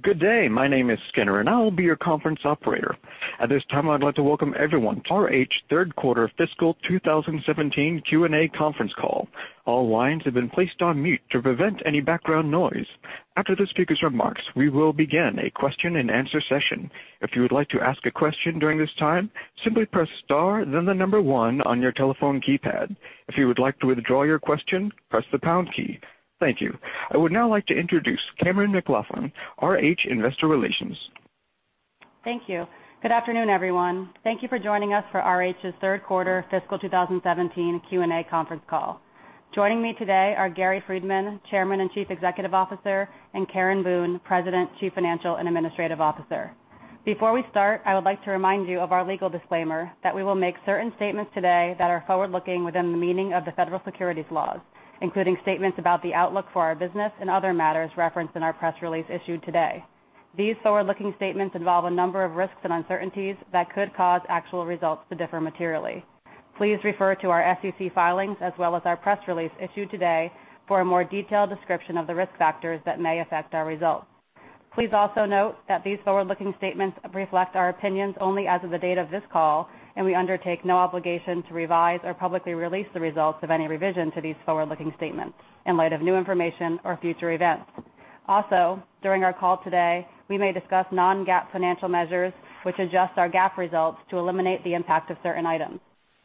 Good day. My name is Skinner, I'll be your conference operator. At this time, I'd like to welcome everyone to RH third quarter fiscal 2017 Q&A conference call. All lines have been placed on mute to prevent any background noise. After the speaker's remarks, we will begin a question-and-answer session. If you would like to ask a question during this time, simply press star then the number 1 on your telephone keypad. If you would like to withdraw your question, press the pound key. Thank you. I would now like to introduce Cammeron McLaughlin, RH Investor Relations. Thank you. Good afternoon, everyone. Thank you for joining us for RH's third quarter fiscal 2017 Q&A conference call. Joining me today are Gary Friedman, Chairman and Chief Executive Officer, and Karen Boone, President, Chief Financial and Administrative Officer. Before we start, I would like to remind you of our legal disclaimer that we will make certain statements today that are forward-looking within the meaning of the federal securities laws, including statements about the outlook for our business and other matters referenced in our press release issued today. These forward-looking statements involve a number of risks and uncertainties that could cause actual results to differ materially. Please refer to our SEC filings as well as our press release issued today for a more detailed description of the risk factors that may affect our results. Please also note that these forward-looking statements reflect our opinions only as of the date of this call. We undertake no obligation to revise or publicly release the results of any revision to these forward-looking statements in light of new information or future events. Also, during our call today, we may discuss non-GAAP financial measures, which adjust our GAAP results to eliminate the impact of certain items.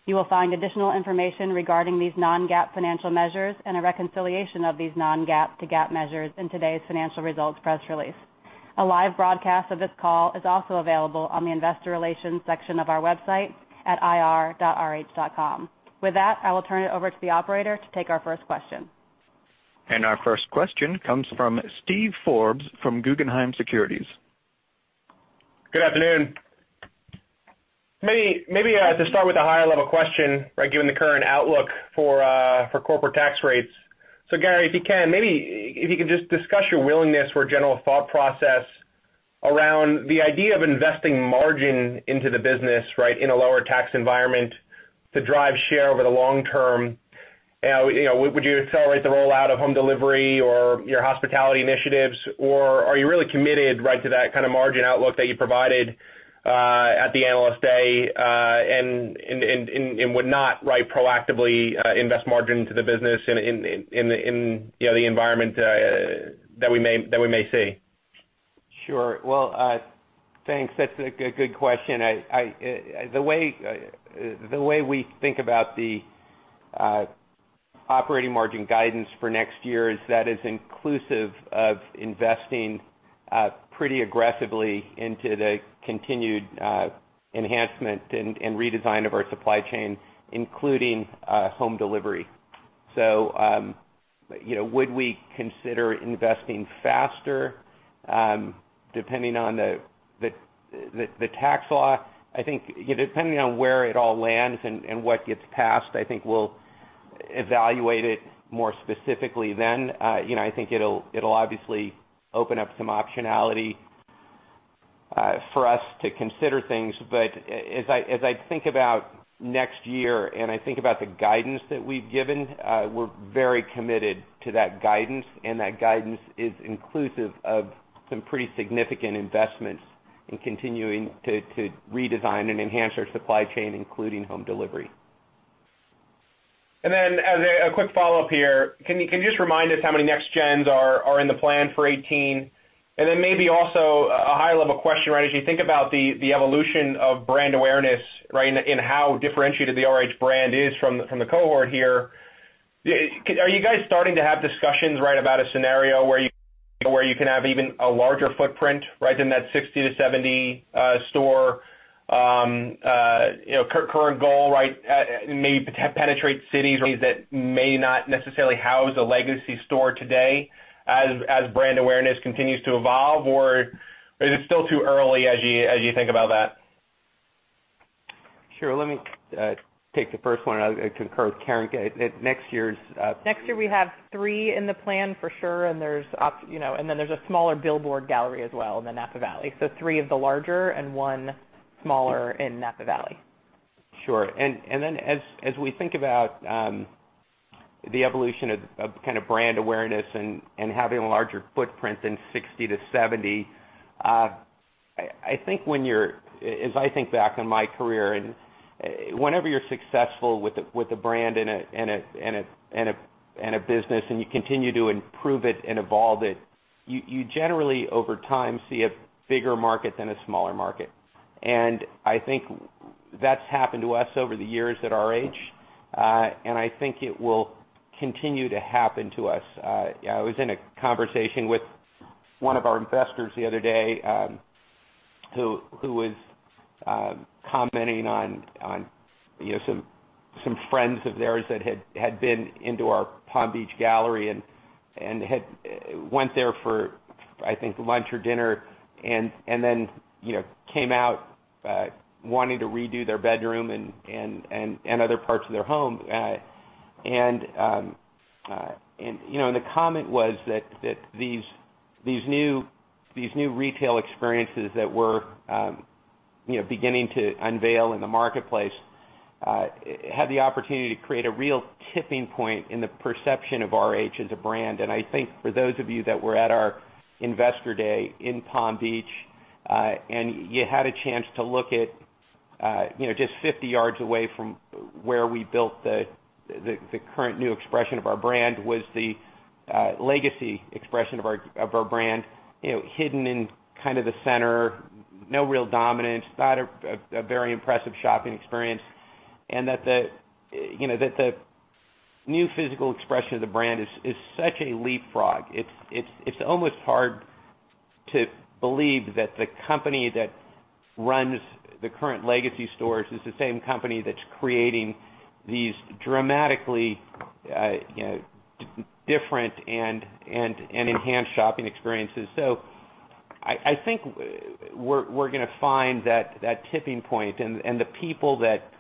You will find additional information regarding these non-GAAP financial measures and a reconciliation of these non-GAAP to GAAP measures in today's financial results press release. A live broadcast of this call is also available on the investor relations section of our website at ir.rh.com. With that, I will turn it over to the operator to take our first question. Our first question comes from Steven Forbes from Guggenheim Securities. Good afternoon. Maybe I have to start with a high-level question, given the current outlook for corporate tax rates. Gary, if you can, maybe if you could just discuss your willingness or general thought process around the idea of investing margin into the business in a lower tax environment to drive share over the long term. Would you accelerate the rollout of home delivery or your hospitality initiatives? Are you really committed right to that kind of margin outlook that you provided at the Analyst Day, and would not proactively invest margin into the business in the environment that we may see? Sure. Thanks. That's a good question. The way we think about the operating margin guidance for next year is that is inclusive of investing pretty aggressively into the continued enhancement and redesign of our supply chain, including home delivery. Would we consider investing faster, depending on the tax law? I think, depending on where it all lands and what gets passed, I think we'll evaluate it more specifically then. I think it'll obviously open up some optionality for us to consider things. As I think about next year and I think about the guidance that we've given, we're very committed to that guidance, and that guidance is inclusive of some pretty significant investments in continuing to redesign and enhance our supply chain, including home delivery. As a quick follow-up here, can you just remind us how many next gens are in the plan for 2018? Maybe also a high-level question, as you think about the evolution of brand awareness, and how differentiated the RH brand is from the cohort here, are you guys starting to have discussions about a scenario where you can have even a larger footprint than that 60-70 store current goal. Maybe penetrate cities that may not necessarily house a legacy store today as brand awareness continues to evolve? Is it still too early as you think about that? Sure. Let me take the first one. I concur with Karen. Next year, we have three in the plan for sure, and then there's a smaller billboard gallery as well in the Napa Valley. Three of the larger and one smaller in Napa Valley. Sure. As we think about the evolution of brand awareness and having a larger footprint than 60-70, as I think back on my career, whenever you're successful with a brand and a business, and you continue to improve it and evolve it, you generally, over time, see a bigger market than a smaller market. I think that's happened to us over the years at RH. I think it will continue to happen to us. I was in a conversation with one of our investors the other day, who was commenting on some friends of theirs that had been into our Palm Beach gallery and went there for, I think, lunch or dinner and then came out wanting to redo their bedroom and other parts of their home. The comment was that these new retail experiences that were beginning to unveil in the marketplace, have the opportunity to create a real tipping point in the perception of RH as a brand. I think for those of you that were at our investor day in Palm Beach, and you had a chance to look at just 50 yards away from where we built the current new expression of our brand, was the legacy expression of our brand, hidden in the center, no real dominance, not a very impressive shopping experience. That the new physical expression of the brand is such a leapfrog. It's almost hard to believe that the company that runs the current legacy stores is the same company that's creating these dramatically different and enhanced shopping experiences. I think we're going to find that tipping point and the people that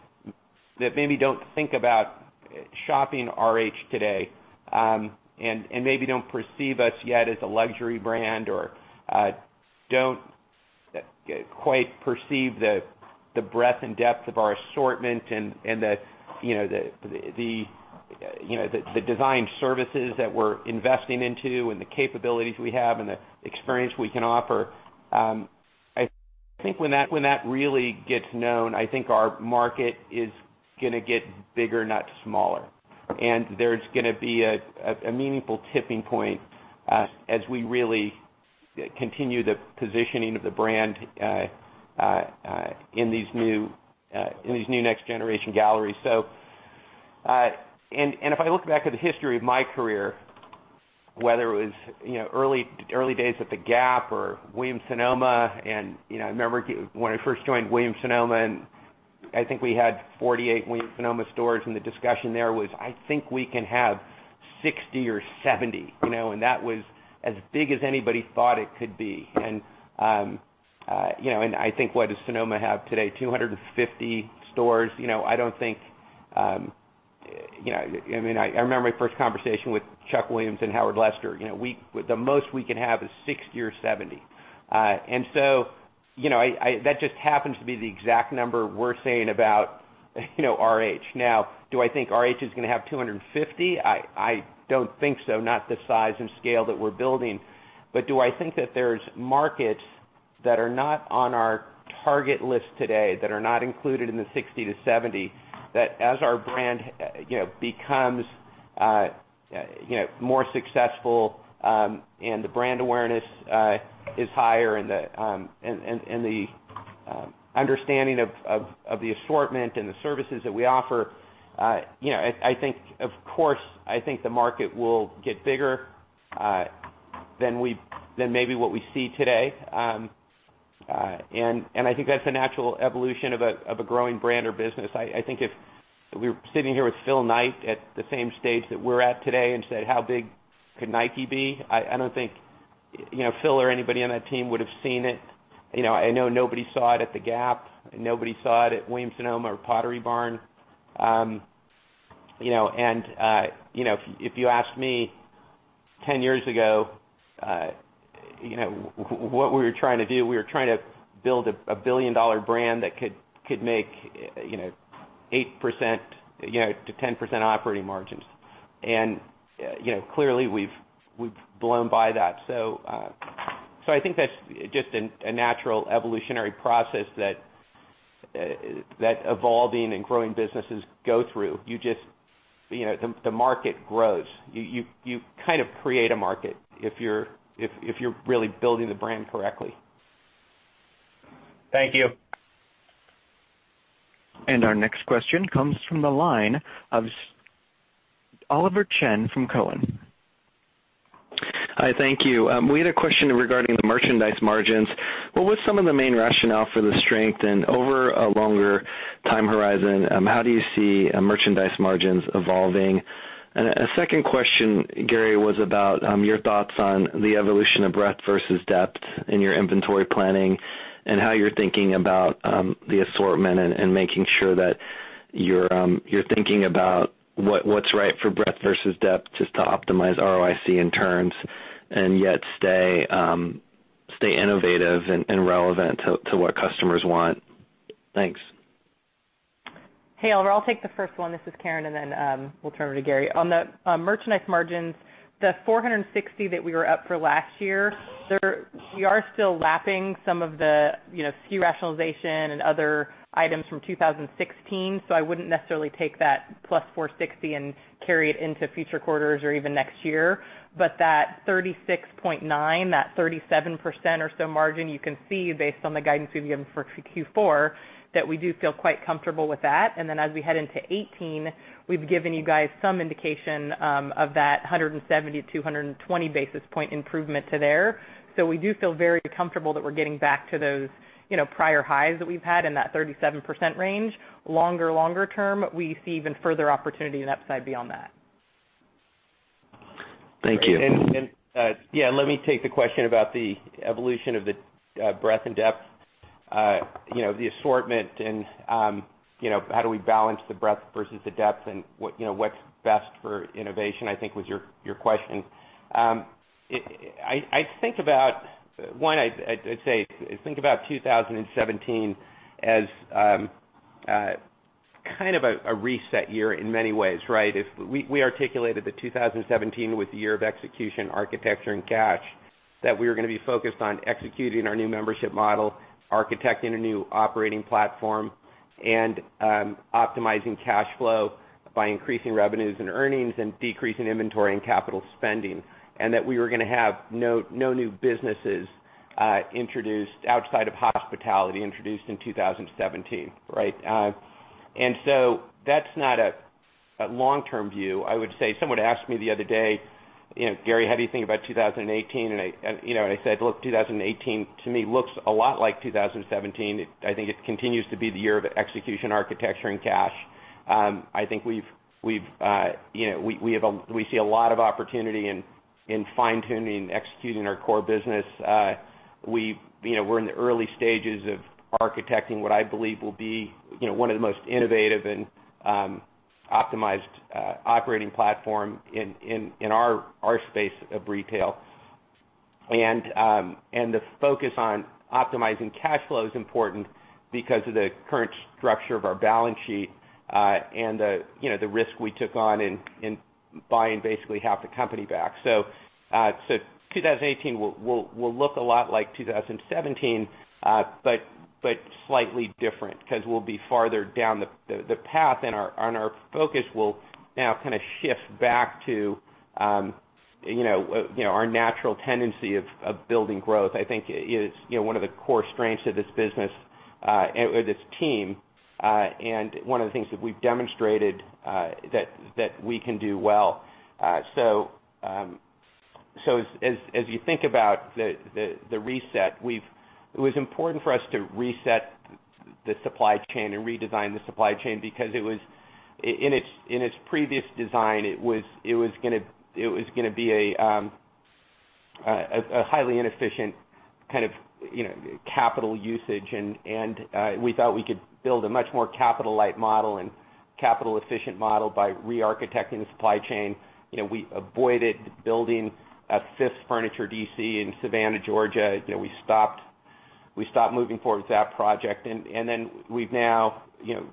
maybe don't think about shopping RH today, and maybe don't perceive us yet as a luxury brand or don't quite perceive the breadth and depth of our assortment and the design services that we're investing into and the capabilities we have and the experience we can offer. I think when that really gets known, I think our market is going to get bigger, not smaller. There's going to be a meaningful tipping point as we really continue the positioning of the brand in these new next generation galleries. If I look back at the history of my career, whether it was early days at the Gap or Williams-Sonoma, I remember when I first joined Williams-Sonoma, I think we had 48 Williams-Sonoma stores, and the discussion there was, "I think we can have 60 or 70." That was as big as anybody thought it could be. I think, what does Sonoma have today, 250 stores? I remember my first conversation with Chuck Williams and Howard Lester. The most we can have is 60 or 70. That just happens to be the exact number we're saying about RH. Now, do I think RH is going to have 250? I don't think so, not the size and scale that we're building. Do I think that there's markets that are not on our target list today, that are not included in the 60 to 70, that as our brand becomes more successful and the brand awareness is higher and the understanding of the assortment and the services that we offer, of course, I think the market will get bigger than maybe what we see today. I think that's a natural evolution of a growing brand or business. I think if we were sitting here with Phil Knight at the same stage that we're at today and said, "How big could Nike be?" I don't think Phil or anybody on that team would have seen it. I know nobody saw it at the Gap. Nobody saw it at Williams-Sonoma or Pottery Barn. If you asked me 10 years ago, what we were trying to do, we were trying to build a billion-dollar brand that could make 8% to 10% operating margins. Clearly, we've blown by that. I think that's just a natural evolutionary process that evolving and growing businesses go through. The market grows. You kind of create a market if you're really building the brand correctly. Thank you. Our next question comes from the line of Oliver Chen from Cowen. Hi, thank you. We had a question regarding the merchandise margins. What was some of the main rationale for the strength? Over a longer time horizon, how do you see merchandise margins evolving? A second question, Gary, was about your thoughts on the evolution of breadth versus depth in your inventory planning and how you're thinking about the assortment and making sure that you're thinking about what's right for breadth versus depth, just to optimize ROIC in turns, and yet stay innovative and relevant to what customers want. Thanks. Hey, Oliver, I'll take the first one. This is Karen, then we'll turn it to Gary. On the merchandise margins, the 460 that we were up for last year, we are still lapping some of the SKU rationalization and other items from 2016, I wouldn't necessarily take that plus 460 and carry it into future quarters or even next year. That 36.9, that 37% or so margin, you can see based on the guidance we've given for Q4, that we do feel quite comfortable with that. As we head into 2018, we've given you guys some indication of that 170-220 basis point improvement to there. We do feel very comfortable that we're getting back to those prior highs that we've had in that 37% range. Longer term, we see even further opportunity and upside beyond that. Thank you. Yeah, let me take the question about the evolution of the breadth and depth, the assortment and how do we balance the breadth versus the depth and what's best for innovation, I think was your question. I think about 2017 as kind of a reset year in many ways, right? We articulated that 2017 was the year of execution, architecture, and cash. That we were going to be focused on executing our new membership model, architecting a new operating platform, and optimizing cash flow by increasing revenues and earnings and decreasing inventory and capital spending, and that we were going to have no new businesses introduced outside of hospitality, introduced in 2017. Right? That's not a long-term view, I would say. Someone asked me the other day, "Gary, how do you think about 2018?" I said, "Look, 2018 to me looks a lot like 2017. I think it continues to be the year of execution, architecture, and cash. I think we see a lot of opportunity in fine-tuning and executing our core business. We're in the early stages of architecting what I believe will be one of the most innovative and optimized operating platform in our space of retail. The focus on optimizing cash flow is important because of the current structure of our balance sheet, and the risk we took on in buying basically half the company back. 2018 will look a lot like 2017, but slightly different because we'll be farther down the path and our focus will now kind of shift back to our natural tendency of building growth. I think it is one of the core strengths of this business, or this team, and one of the things that we've demonstrated that we can do well. As you think about the reset, it was important for us to reset the supply chain and redesign the supply chain because in its previous design, it was going to be a highly inefficient kind of capital usage, and we thought we could build a much more capital-light model and capital-efficient model by re-architecting the supply chain. We avoided building a 5th furniture DC in Savannah, Georgia. We stopped moving forward with that project. We've now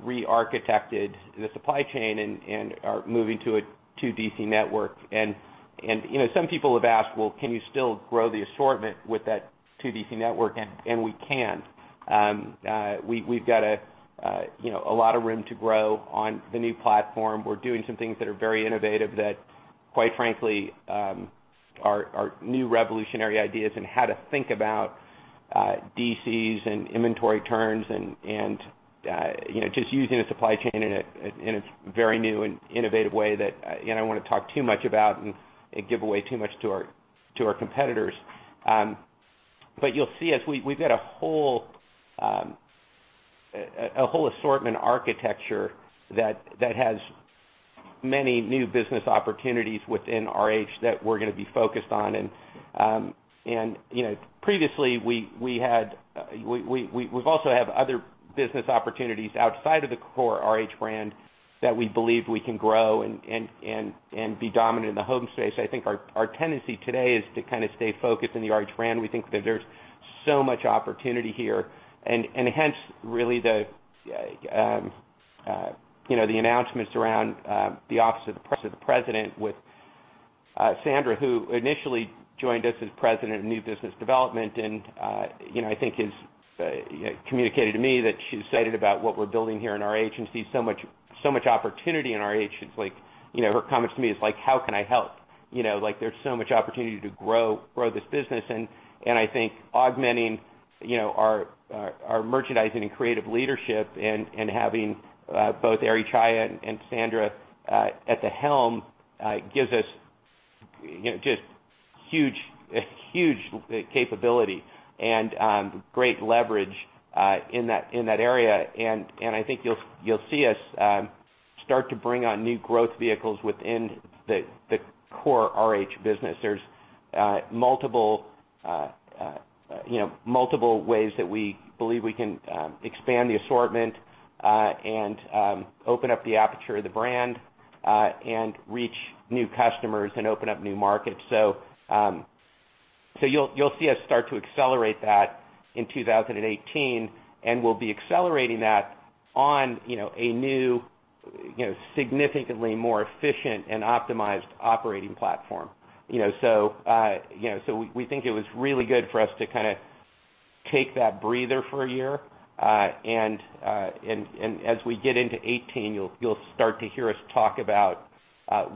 re-architected the supply chain and are moving to a two DC network. Some people have asked, "Well, can you still grow the assortment with that two DC network?" We can. We've got a lot of room to grow on the new platform. We're doing some things that are very innovative that, quite frankly, are new revolutionary ideas in how to think about DCs and inventory turns and just using the supply chain in a very new and innovative way that I don't want to talk too much about and give away too much to our competitors. You'll see, as we've got a whole assortment architecture that has many new business opportunities within RH that we're going to be focused on. Previously, we've also had other business opportunities outside of the core RH brand that we believe we can grow and be dominant in the home space. I think our tendency today is to kind of stay focused on the RH brand. Hence, really the announcements around the Office of the President with Sandra, who initially joined us as President of New Business Development, I think has communicated to me that she's excited about what we're building here in RH and sees so much opportunity in RH. Her comment to me is like, "How can I help?" There's so much opportunity to grow this business, I think augmenting our merchandising and creative leadership and having both Eri Chaya and Sandra at the helm gives us just huge capability and great leverage in that area. I think you'll see us start to bring on new growth vehicles within the core RH business. There's multiple ways that we believe we can expand the assortment and open up the aperture of the brand and reach new customers and open up new markets. You'll see us start to accelerate that in 2018, we'll be accelerating that on a new, significantly more efficient and optimized operating platform. We think it was really good for us to kind of take that breather for a year. As we get into 2018, you'll start to hear us talk about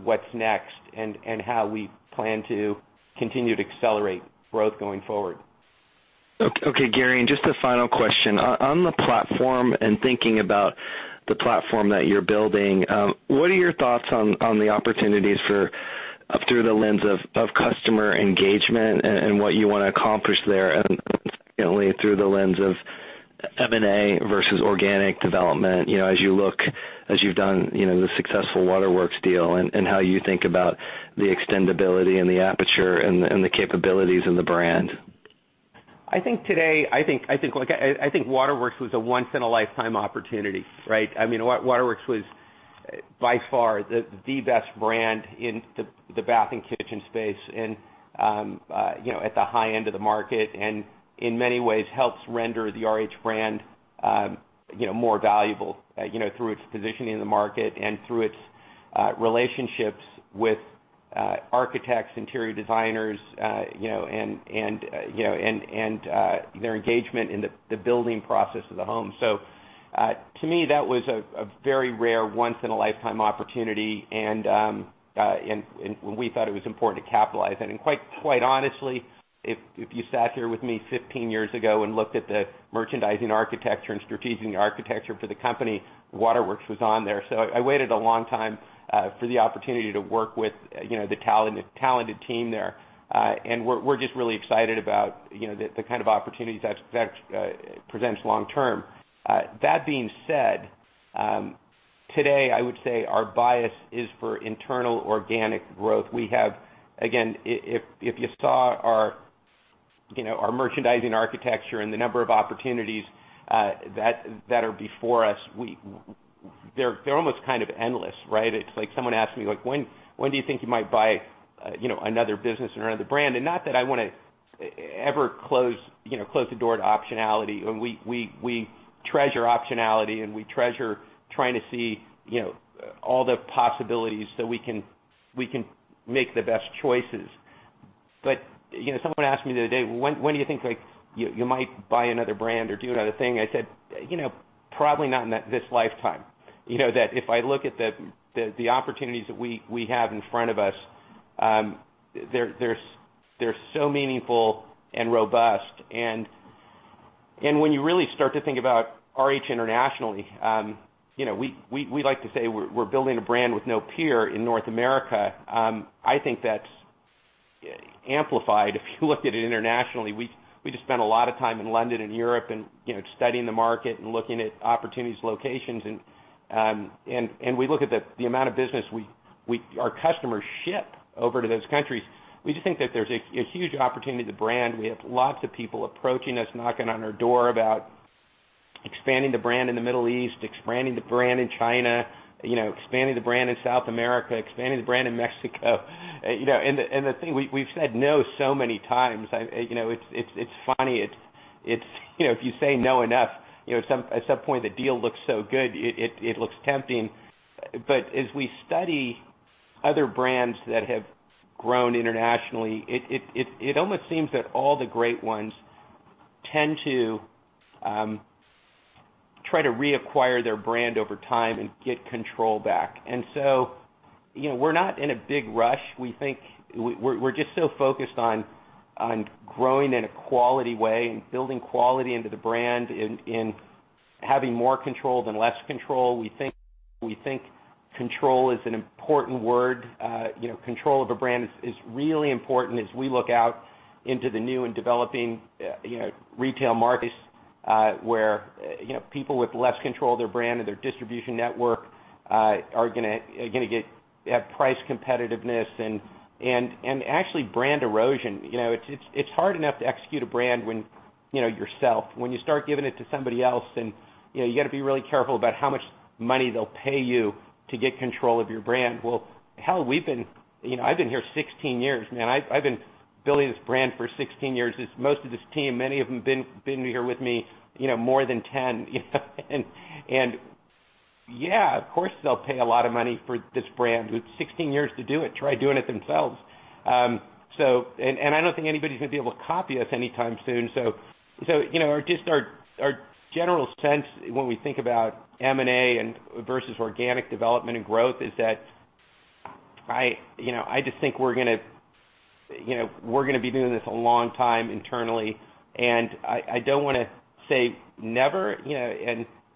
what's next and how we plan to continue to accelerate growth going forward. Okay, Gary, just a final question. On the platform and thinking about the platform that you're building, what are your thoughts on the opportunities through the lens of customer engagement and what you want to accomplish there? Secondly, through the lens of M&A versus organic development, as you've done the successful Waterworks deal and how you think about the extendibility and the aperture and the capabilities in the brand. I think today, Waterworks was a once-in-a-lifetime opportunity, right? Waterworks was by far the best brand in the bath and kitchen space, at the high end of the market, and in many ways helps render the RH brand more valuable through its positioning in the market and through its relationships with architects, interior designers, and their engagement in the building process of the home. To me, that was a very rare once-in-a-lifetime opportunity, we thought it was important to capitalize on it. Quite honestly, if you sat here with me 15 years ago and looked at the merchandising architecture and strategic architecture for the company, Waterworks was on there. I waited a long time for the opportunity to work with the talented team there. We're just really excited about the kind of opportunities that presents long-term. That being said, today I would say our bias is for internal organic growth. We have, again, if you saw our merchandising architecture and the number of opportunities that are before us, they're almost kind of endless, right? It's like someone asked me, "When do you think you might buy another business or another brand?" Not that I want to ever close the door to optionality, and we treasure optionality, and we treasure trying to see all the possibilities so we can make the best choices. Someone asked me the other day, "When do you think you might buy another brand or do another thing?" I said, "Probably not in this lifetime." That if I look at the opportunities that we have in front of us, they're so meaningful and robust. When you really start to think about RH internationally, we like to say we're building a brand with no peer in North America. I think that's amplified if you looked at it internationally. We just spent a lot of time in London and Europe studying the market and looking at opportunities, locations, and we look at the amount of business our customers ship over to those countries. We just think that there's a huge opportunity to brand. We have lots of people approaching us, knocking on our door about expanding the brand in the Middle East, expanding the brand in China, expanding the brand in South America, expanding the brand in Mexico. The thing, we've said no so many times. It's funny. If you say no enough, at some point, the deal looks so good, it looks tempting. As we study other brands that have grown internationally, it almost seems that all the great ones tend to try to reacquire their brand over time and get control back. We're not in a big rush. We're just so focused on growing in a quality way and building quality into the brand in having more control than less control. We think control is an important word. Control of a brand is really important as we look out into the new and developing retail markets, where people with less control of their brand and their distribution network are going to get price competitiveness and actually brand erosion. It's hard enough to execute a brand when yourself. When you start giving it to somebody else, you got to be really careful about how much money they'll pay you to get control of your brand. Well, hell, I've been here 16 years, man. I've been building this brand for 16 years. Most of this team, many of them been here with me more than 10. Yeah, of course, they'll pay a lot of money for this brand. It took 16 years to do it. Try doing it themselves. I don't think anybody's going to be able to copy us anytime soon. Just our general sense when we think about M&A versus organic development and growth is that I just think we're going to be doing this a long time internally, and I don't want to say never.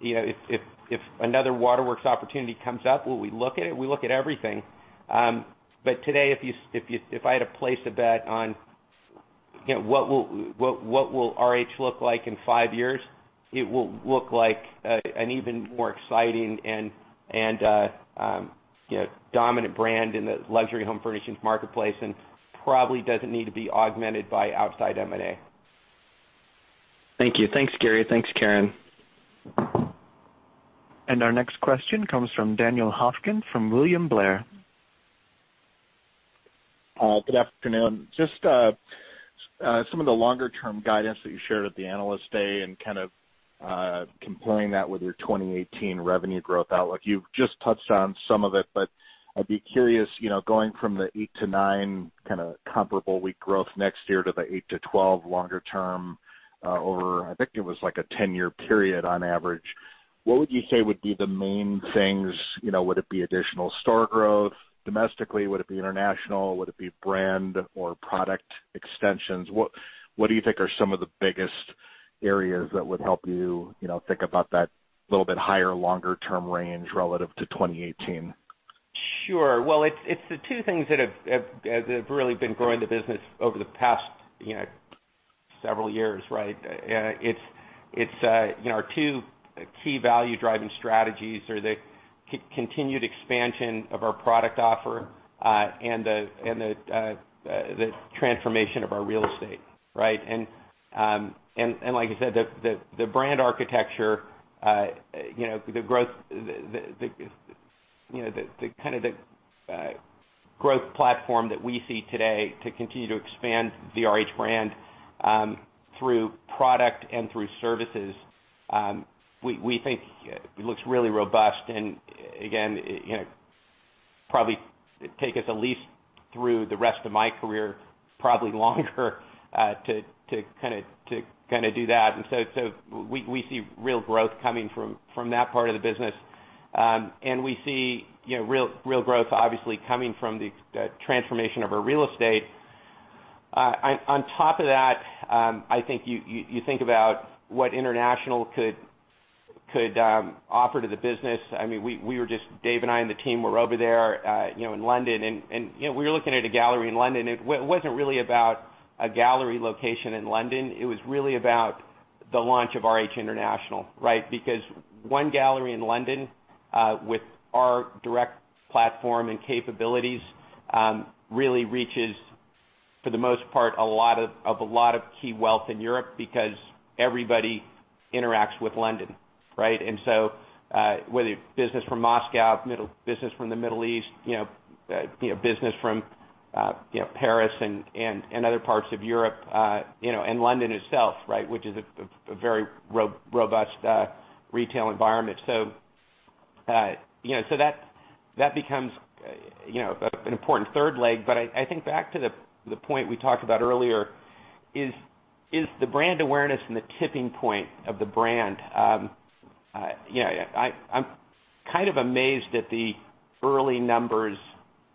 If another Waterworks opportunity comes up, will we look at it? We look at everything. Today, if I had to place a bet on what will RH look like in five years, it will look like an even more exciting and dominant brand in the luxury home furnishings marketplace and probably doesn't need to be augmented by outside M&A. Thank you. Thanks, Gary. Thanks, Karen. Our next question comes from Brendan Hopkins from William Blair. Good afternoon. Just some of the longer-term guidance that you shared at the Analyst Day and kind of comparing that with your 2018 revenue growth outlook. You've just touched on some of it, I'd be curious, going from the eight to nine kind of comparable week growth next year to the eight to 12 longer term over, I think it was like a 10-year period on average. What would you say would be the main things? Would it be additional store growth domestically? Would it be international? Would it be brand or product extensions? What do you think are some of the biggest areas that would help you think about that little bit higher, longer-term range relative to 2018? Sure. Well, it's the two things that have really been growing the business over the past several years, right? Our two key value-driving strategies are the continued expansion of our product offer, and the transformation of our real estate. Like I said, the brand architecture, the growth platform that we see today to continue to expand the RH brand through product and through services, we think it looks really robust and again, probably take us at least through the rest of my career, probably longer to do that. We see real growth coming from that part of the business. We see real growth, obviously, coming from the transformation of our real estate. On top of that, I think you think about what international could offer to the business. David and I, and the team were over there in London, and we were looking at a gallery in London. It wasn't really about a gallery location in London. It was really about the launch of RH International. One gallery in London with our direct platform and capabilities, really reaches, for the most part, a lot of key wealth in Europe because everybody interacts with London. Whether business from Moscow, business from the Middle East, business from Paris and other parts of Europe, and London itself, which is a very robust retail environment. That becomes an important third leg. I think back to the point we talked about earlier is the brand awareness and the tipping point of the brand. I'm kind of amazed at the early numbers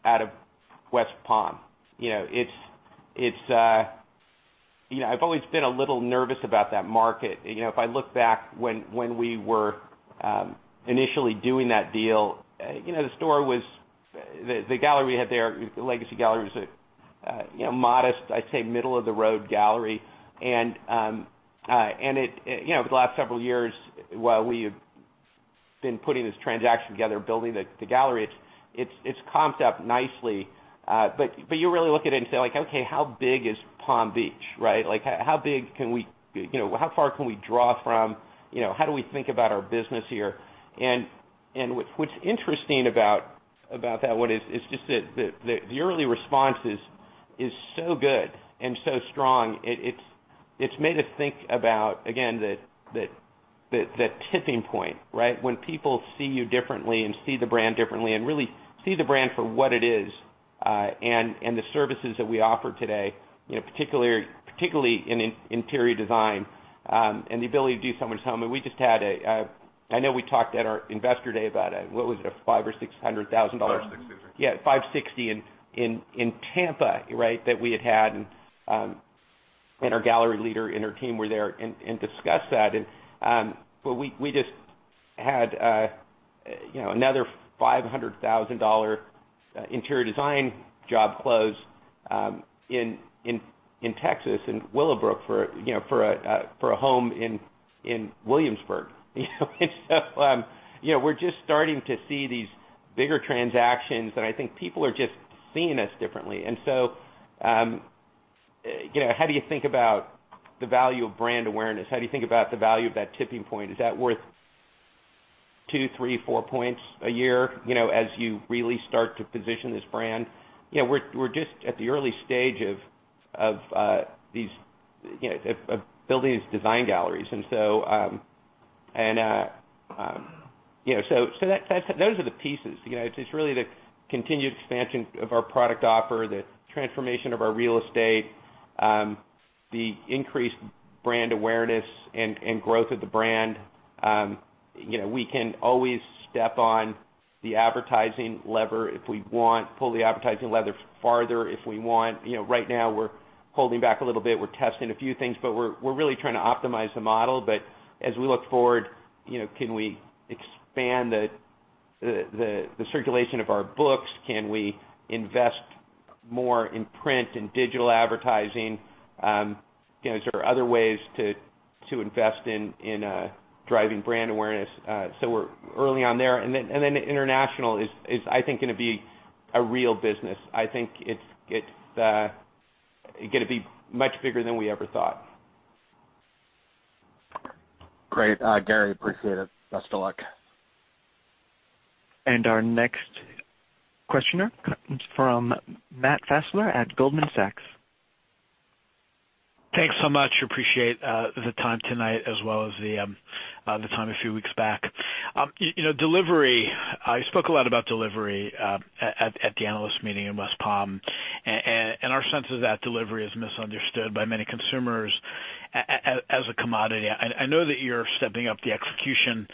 out of West Palm. I've always been a little nervous about that market. If I look back when we were initially doing that deal, the legacy gallery was a modest, I'd say middle of the road gallery. The last several years, while we have been putting this transaction together, building the gallery, it's comped up nicely. You really look at it and say, "Okay, how big is Palm Beach? How far can we draw from? How do we think about our business here?" What's interesting about that one is just that the early response is so good and so strong. It's made us think about, again, the tipping point. When people see you differently and see the brand differently, and really see the brand for what it is, and the services that we offer today, particularly in interior design, and the ability to do someone's home. I know we talked at our investor day about, what was it? A $500,000 or $600,000? 560, I think. Yeah, 560 in Tampa that we had had, and our gallery leader and her team were there and discussed that. We just had another $500,000 interior design job close in Texas, in Willowbrook for a home in Williamsburg. We're just starting to see these bigger transactions, and I think people are just seeing us differently. How do you think about the value of brand awareness? How do you think about the value of that tipping point? Is that worth two, three, four points a year, as you really start to position this brand? We're just at the early stage of building these design galleries. Those are the pieces. It's really the continued expansion of our product offer, the transformation of our real estate, the increased brand awareness and growth of the brand. We can always step on the advertising lever if we want, pull the advertising lever farther if we want. Right now we're holding back a little bit. We're testing a few things, but we're really trying to optimize the model. As we look forward, can we expand the circulation of our books? Can we invest more in print and digital advertising? Is there other ways to invest in driving brand awareness? We're early on there. International is, I think, going to be a real business. I think it's going to be much bigger than we ever thought. Great. Gary, appreciate it. Best of luck. Our next questioner comes from Matthew Fassler at Goldman Sachs. Thanks so much. Appreciate the time tonight, as well as the time a few weeks back. Delivery. You spoke a lot about delivery at the analyst meeting in West Palm. Our sense is that delivery is misunderstood by many consumers as a commodity. I know that you're stepping up the execution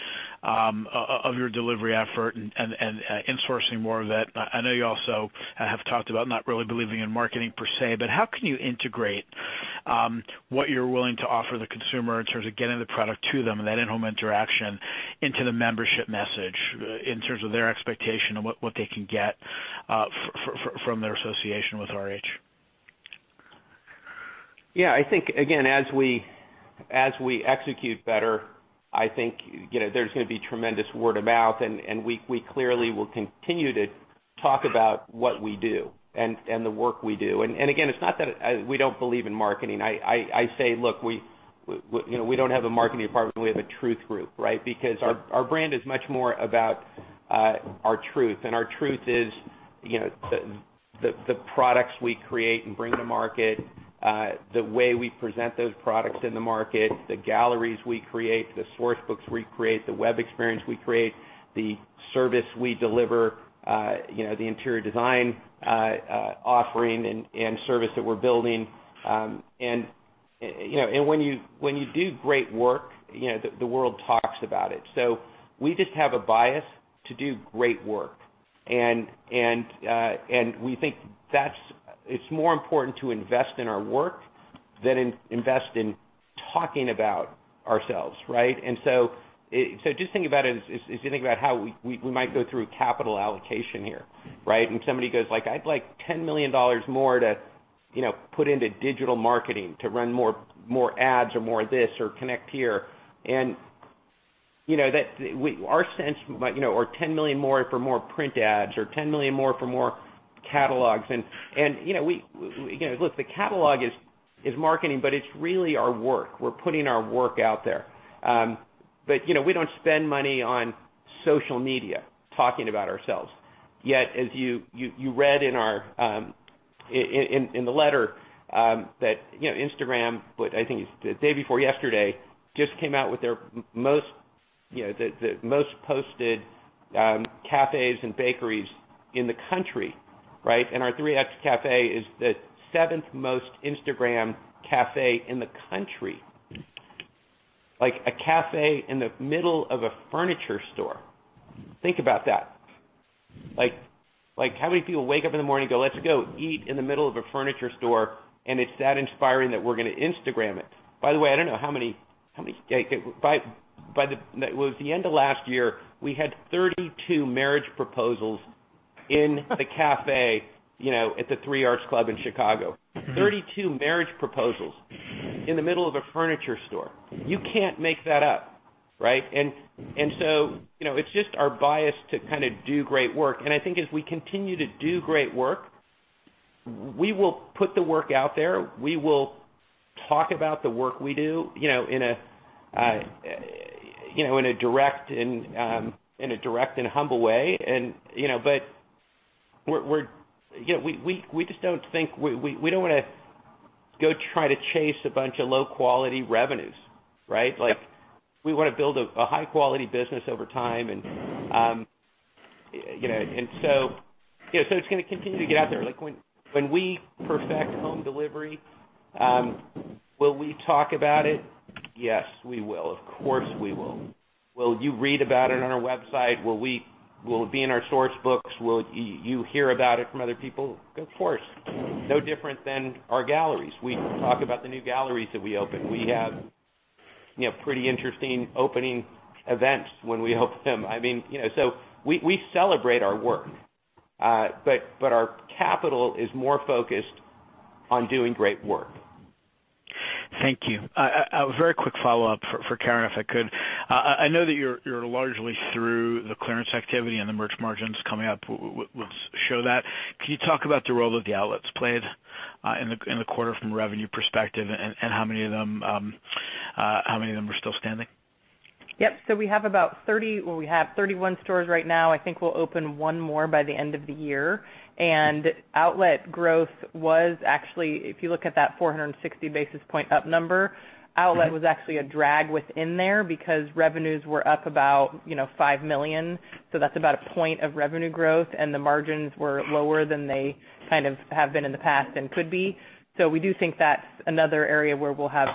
of your delivery effort and insourcing more of that. I know you also have talked about not really believing in marketing per se. How can you integrate what you're willing to offer the consumer in terms of getting the product to them and that in-home interaction into the membership message in terms of their expectation of what they can get from their association with RH? Yeah, I think, again, as we execute better, I think there's going to be tremendous word of mouth. We clearly will continue to talk about what we do and the work we do. Again, it's not that we don't believe in marketing. I say, "Look, we don't have a marketing department, we have a truth group," right? Because our brand is much more about our truth, and our truth is the products we create and bring to market, the way we present those products in the market, the galleries we create, the source books we create, the web experience we create, the service we deliver, the interior design offering and service that we're building. When you do great work, the world talks about it. We just have a bias to do great work. We think it's more important to invest in our work than invest in talking about ourselves, right? Just think about it as you think about how we might go through capital allocation here, right? Somebody goes like, "I'd like $10 million more to put into digital marketing to run more ads or more this, or connect here." $10 million more for more print ads, or $10 million more for more catalogs. Look, the catalog is marketing, but it's really our work. We're putting our work out there. We don't spend money on social media talking about ourselves. Yet, as you read in the letter that Instagram, I think it's the day before yesterday, just came out with the most posted cafes and bakeries in the country, right? Our 3 Arts Club Cafe is the seventh most Instagrammed cafe in the country. Like a cafe in the middle of a furniture store. Think about that. How many people wake up in the morning and go, "Let's go eat in the middle of a furniture store, and it's that inspiring that we're going to Instagram it." By the way, I don't know how many By the end of last year, we had 32 marriage proposals in the cafe at the 3 Arts Club Cafe in Chicago. 32 marriage proposals in the middle of a furniture store. You can't make that up, right? It's just our bias to kind of do great work. I think as we continue to do great work, we will put the work out there. We will talk about the work we do in a direct and humble way. We don't want to go try to chase a bunch of low-quality revenues, right? Yep. We want to build a high-quality business over time. It's going to continue to get out there. When we perfect home delivery, will we talk about it? Yes, we will. Of course, we will. Will you read about it on our website? Will it be in our source books? Will you hear about it from other people? Of course. No different than our galleries. We talk about the new galleries that we open. We have pretty interesting opening events when we open them. We celebrate our work. Our capital is more focused on doing great work. Thank you. A very quick follow-up for Karen, if I could. I know that you're largely through the clearance activity and the merch margins coming up will show that. Can you talk about the role that the outlets played in the quarter from a revenue perspective, and how many of them are still standing? Yep. We have 31 stores right now. I think we'll open one more by the end of the year. Outlet growth was actually, if you look at that 460 basis point up number, outlet was actually a drag within there because revenues were up about $5 million. That's about a point of revenue growth, and the margins were lower than they kind of have been in the past and could be. We do think that's another area where we'll have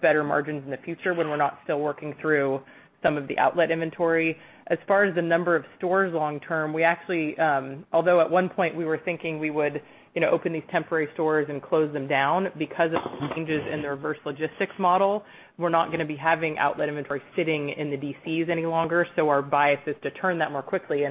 better margins in the future when we're not still working through some of the outlet inventory. As far as the number of stores long term, although at one point we were thinking we would open these temporary stores and close them down, because of some changes in the reverse logistics model, we're not going to be having outlet inventory sitting in the DCs any longer. Our bias is to turn that more quickly.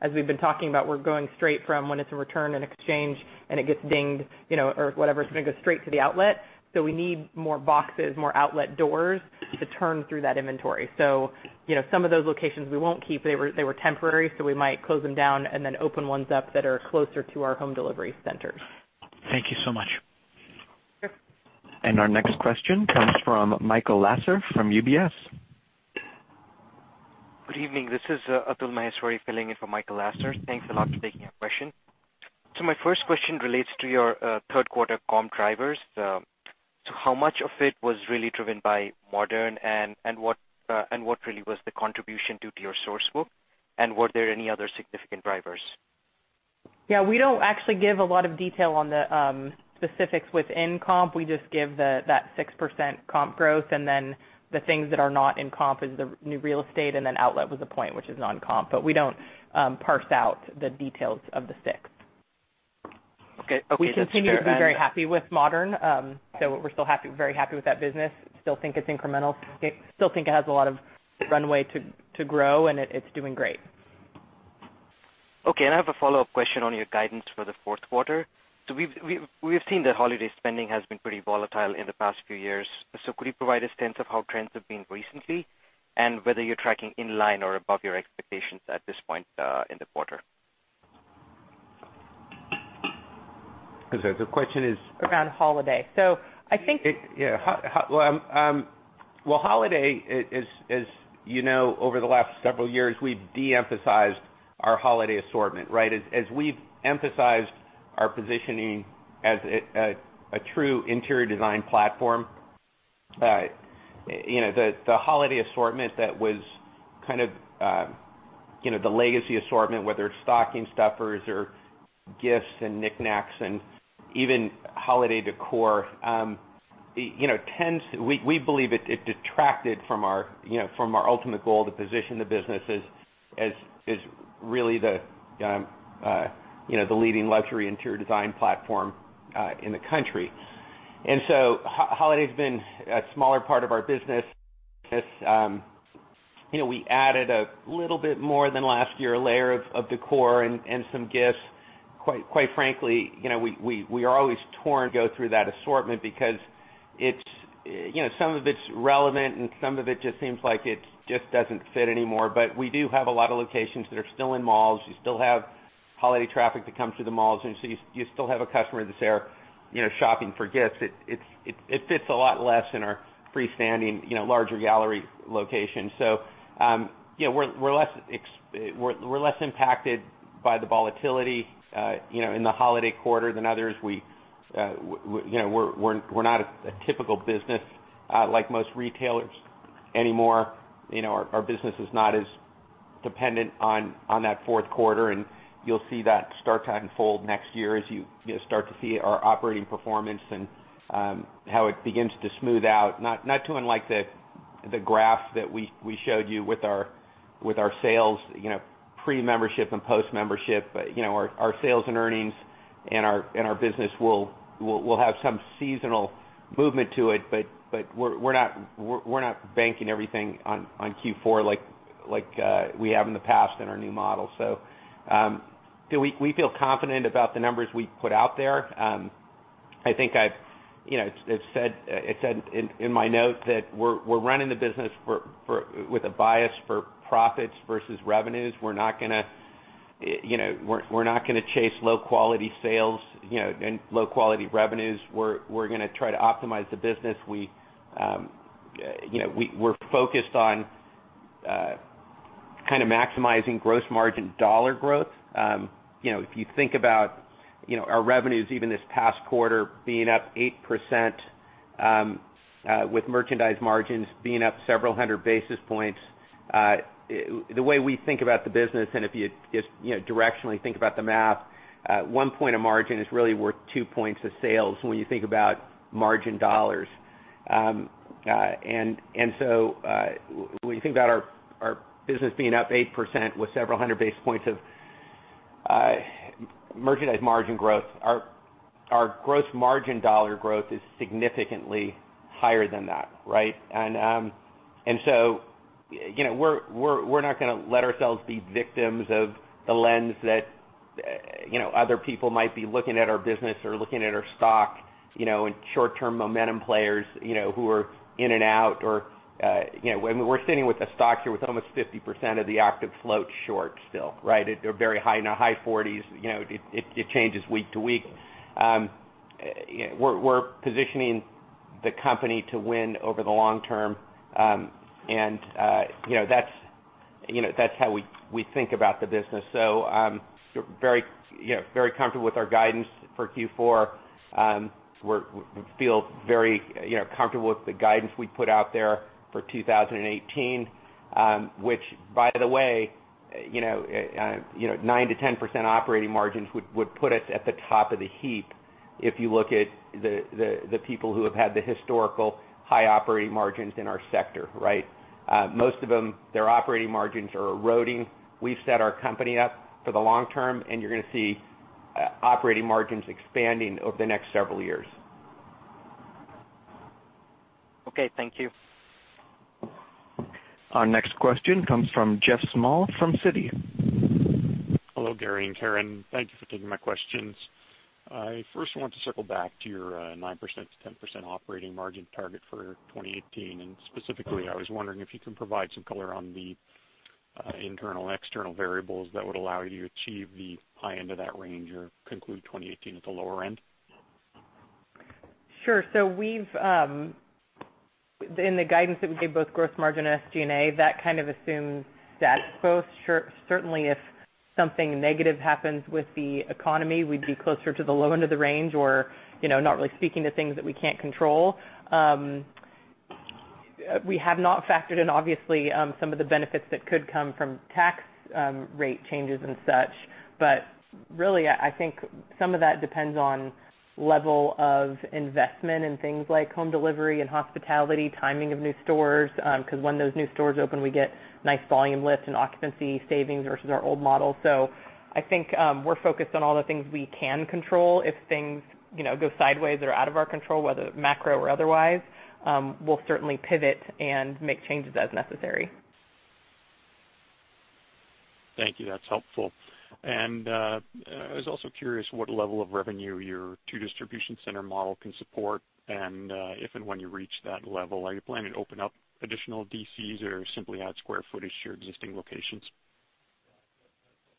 As we've been talking about, we're going straight from when it's a return and exchange and it gets dinged or whatever, it's going to go straight to the outlet. We need more boxes, more outlet doors to turn through that inventory. Some of those locations we won't keep. They were temporary, so we might close them down and then open ones up that are closer to our home delivery centers. Thank you so much. Sure. Our next question comes from Michael Lasser from UBS. Good evening. This is Atul Maheswari filling in for Michael Lasser. Thanks a lot for taking our question. My first question relates to your third quarter comp drivers. How much of it was really driven by Modern, and what really was the contribution due to your source book? Were there any other significant drivers? Yeah, we don't actually give a lot of detail on the specifics within comp. We just give that 6% comp growth, outlet was a point which is non-comp. We don't parse out the details of the 6. Okay. That's fair. We continue to be very happy with Modern. We're still very happy with that business. Still think it's incremental. Still think it has a lot of runway to grow, it's doing great. Okay, I have a follow-up question on your guidance for the fourth quarter. We've seen that holiday spending has been pretty volatile in the past few years. Could you provide a sense of how trends have been recently and whether you're tracking in line or above your expectations at this point in the quarter? The question is. Around holiday. Yeah. Well, holiday is, over the last several years, we've de-emphasized our holiday assortment, right? As we've emphasized our positioning as a true interior design platform. The holiday assortment that was kind of the legacy assortment, whether it's stocking stuffers or gifts and knick-knacks, and even holiday decor, we believe it detracted from our ultimate goal to position the business as really the leading luxury interior design platform in the country. Holiday's been a smaller part of our business. We added a little bit more than last year, a layer of decor and some gifts. Quite frankly, we are always torn to go through that assortment because some of it's relevant and some of it just seems like it just doesn't fit anymore. We do have a lot of locations that are still in malls. You still have holiday traffic that comes through the malls, you still have a customer that's there shopping for gifts. It fits a lot less in our freestanding, larger gallery locations. We're less impacted by the volatility in the holiday quarter than others. We're not a typical business like most retailers anymore. Our business is not as dependent on that fourth quarter, and you'll see that start to unfold next year as you start to see our operating performance and how it begins to smooth out. Not too unlike the graph that we showed you with our sales, pre-membership and post-membership. Our sales and earnings and our business will have some seasonal movement to it, we're not banking everything on Q4 like we have in the past in our new model. We feel confident about the numbers we put out there. I think I've said in my note that we're running the business with a bias for profits versus revenues. We're not going to chase low-quality sales and low-quality revenues. We're going to try to optimize the business. We're focused on kind of maximizing gross margin dollar growth. If you think about our revenues, even this past quarter being up 8%, with merchandise margins being up several hundred basis points, the way we think about the business, and if you just directionally think about the math, one point of margin is really worth two points of sales when you think about margin dollars. When you think about our business being up 8% with several hundred basis points of merchandise margin growth, our gross margin dollar growth is significantly higher than that, right? We're not going to let ourselves be victims of the lens that other people might be looking at our business or looking at our stock, and short-term momentum players who are in and out. We're sitting with a stock here with almost 50% of the active float short still. They're very high, in the high 40s. It changes week to week. We're positioning the company to win over the long term. That's how we think about the business. We're very comfortable with our guidance for Q4. We feel very comfortable with the guidance we put out there for 2018. Which by the way, 9%-10% operating margins would put us at the top of the heap if you look at the people who have had the historical high operating margins in our sector, right? Most of them, their operating margins are eroding. We've set our company up for the long term, and you're going to see operating margins expanding over the next several years. Okay, thank you. Our next question comes from Geoff Small from Citi. Hello, Gary and Karen. Thank you for taking my questions. I first want to circle back to your 9%-10% operating margin target for 2018, and specifically, I was wondering if you can provide some color on the internal, external variables that would allow you to achieve the high end of that range or conclude 2018 at the lower end. Sure. In the guidance that we gave both gross margin and SG&A, that kind of assumes that both certainly if something negative happens with the economy, we'd be closer to the low end of the range or not really speaking to things that we can't control. We have not factored in, obviously, some of the benefits that could come from tax rate changes and such. Really, I think some of that depends on level of investment in things like home delivery and hospitality, timing of new stores, because when those new stores open, we get nice volume lift and occupancy savings versus our old model. I think we're focused on all the things we can control. If things go sideways that are out of our control, whether macro or otherwise, we'll certainly pivot and make changes as necessary. Thank you. That's helpful. I was also curious what level of revenue your two distribution center model can support and, if and when you reach that level, are you planning to open up additional DCs or simply add square footage to your existing locations?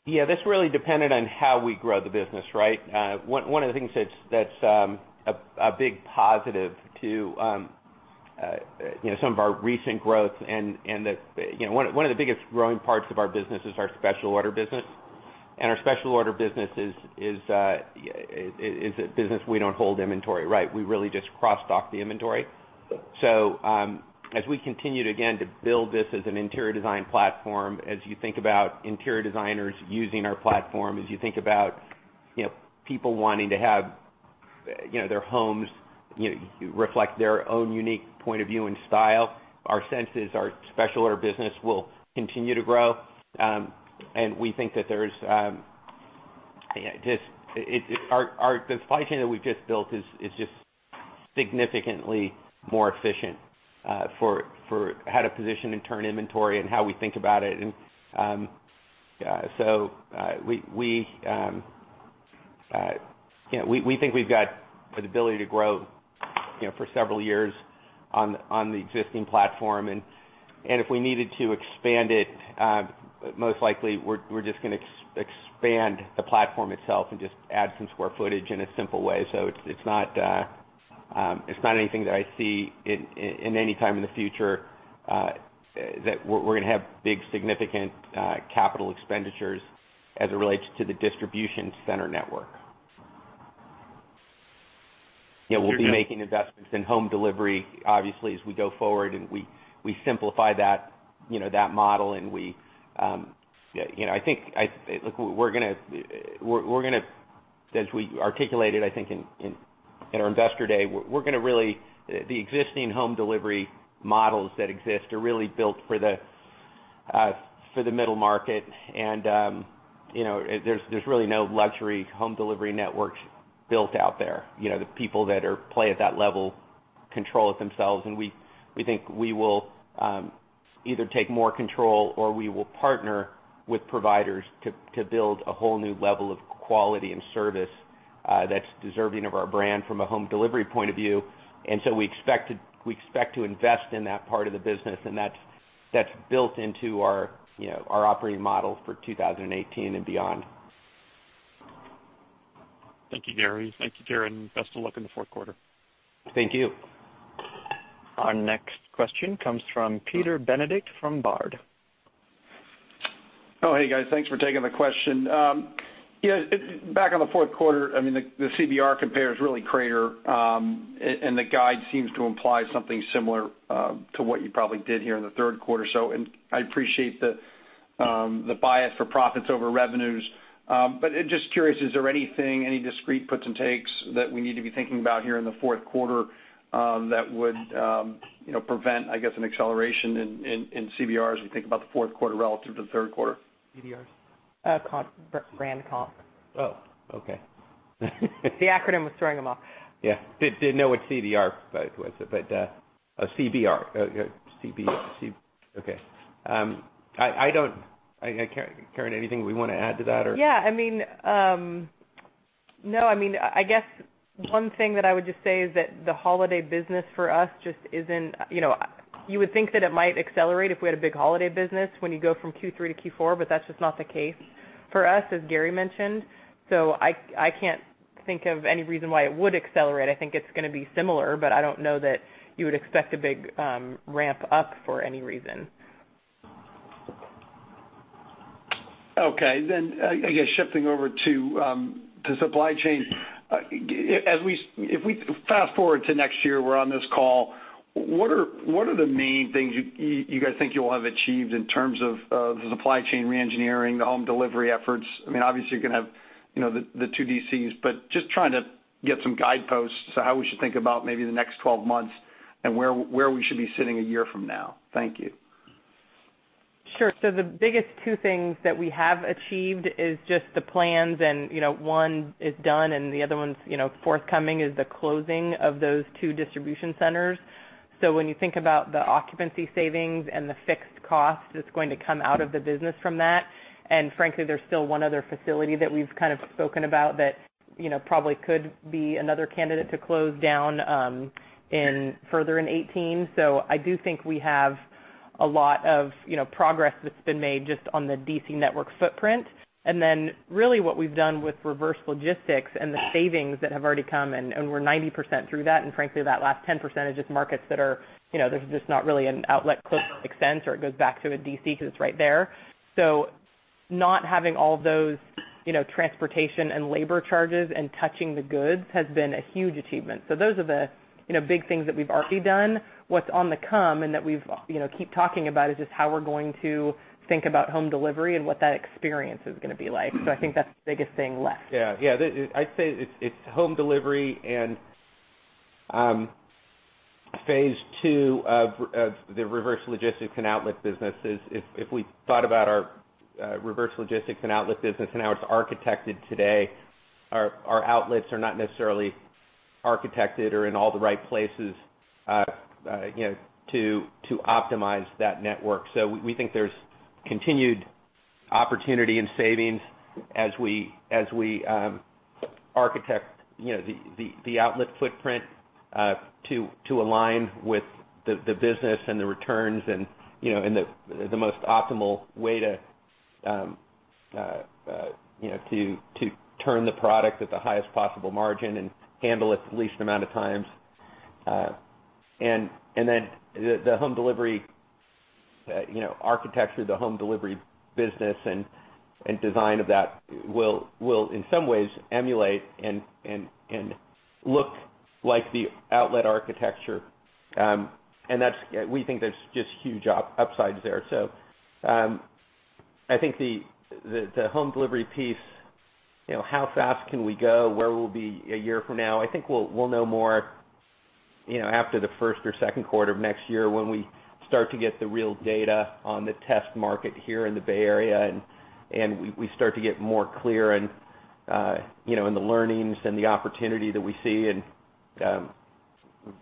Yeah. That's really dependent on how we grow the business, right? One of the things that's a big positive to some of our recent growth and one of the biggest growing parts of our business is our special order business. Our special order business is a business we don't hold inventory, right? We really just cross off the inventory. As we continue to, again, build this as an interior design platform, as you think about interior designers using our platform, as you think about people wanting to have their homes reflect their own unique point of view and style, our sense is our special order business will continue to grow. We think that the supply chain that we've just built is just significantly more efficient for how to position and turn inventory and how we think about it. We think we've got the ability to grow for several years on the existing platform. If we needed to expand it, most likely, we're just going to expand the platform itself and just add some square footage in a simple way. It's not anything that I see in any time in the future that we're going to have big, significant capital expenditures as it relates to the distribution center network. We'll be making investments in home delivery, obviously, as we go forward and we simplify that model and as we articulated, I think, in our Investor Day, the existing home delivery models that exist are really built for the middle market, and there's really no luxury home delivery networks built out there. The people that play at that level control it themselves, and we think we will either take more control or we will partner with providers to build a whole new level of quality and service that's deserving of our brand from a home delivery point of view. We expect to invest in that part of the business, and that's built into our operating model for 2018 and beyond. Thank you, Gary. Thank you, Karen. Best of luck in the fourth quarter. Thank you. Our next question comes from Peter Benedict from Baird. Oh, hey, guys. Thanks for taking the question. Back on the fourth quarter, the CBR compare is really crater, the guide seems to imply something similar to what you probably did here in the third quarter. I appreciate the bias for profits over revenues. Just curious, is there anything, any discrete puts and takes that we need to be thinking about here in the fourth quarter that would prevent, I guess, an acceleration in CBRs as we think about the fourth quarter relative to the third quarter? CBRs? Brand comp. Oh, okay. The acronym was throwing him off. Yeah. Didn't know what CDR was. Oh, CBR. Okay. Karen, anything we want to add to that? Yeah. No, I guess one thing that I would just say is that the holiday business for us just isn't. You would think that it might accelerate if we had a big holiday business when you go from Q3 to Q4, but that's just not the case for us, as Gary mentioned. I can't think of any reason why it would accelerate. I think it's going to be similar, but I don't know that you would expect a big ramp up for any reason. Okay, I guess shifting over to supply chain. If we fast-forward to next year, we're on this call, what are the main things you guys think you'll have achieved in terms of the supply chain re-engineering, the home delivery efforts? Obviously, you're going to have the two DCs, just trying to get some guideposts to how we should think about maybe the next 12 months and where we should be sitting a year from now. Thank you. Sure. The biggest two things that we have achieved is just the plans and one is done and the other one's forthcoming is the closing of those two distribution centers. When you think about the occupancy savings and the fixed cost that's going to come out of the business from that, and frankly, there's still one other facility that we've kind of spoken about that probably could be another candidate to close down further in 2018. I do think we have a lot of progress that's been made just on the DC network footprint. Really what we've done with reverse logistics and the savings that have already come, and we're 90% through that, and frankly, that last 10% is just markets that there's just not really an outlet close enough extent, or it goes back to a DC because it's right there. Not having all of those transportation and labor charges and touching the goods has been a huge achievement. Those are the big things that we've already done. What's on the come and that we keep talking about is just how we're going to think about home delivery and what that experience is going to be like. I think that's the biggest thing left. Yeah. I'd say it's home delivery and phase 2 of the reverse logistics and outlet businesses. If we thought about our reverse logistics and outlet business and how it's architected today, our outlets are not necessarily architected or in all the right places to optimize that network. We think there's continued opportunity and savings as we architect the outlet footprint to align with the business and the returns and the most optimal way to turn the product at the highest possible margin and handle it the least amount of times. The home delivery architecture, the home delivery business, and design of that will, in some ways, emulate and look like the outlet architecture. We think there's just huge upsides there. I think the home delivery piece, how fast can we go? Where we'll be a year from now? I think we'll know more after the first or second quarter of next year when we start to get the real data on the test market here in the Bay Area, and we start to get more clear in the learnings and the opportunity that we see and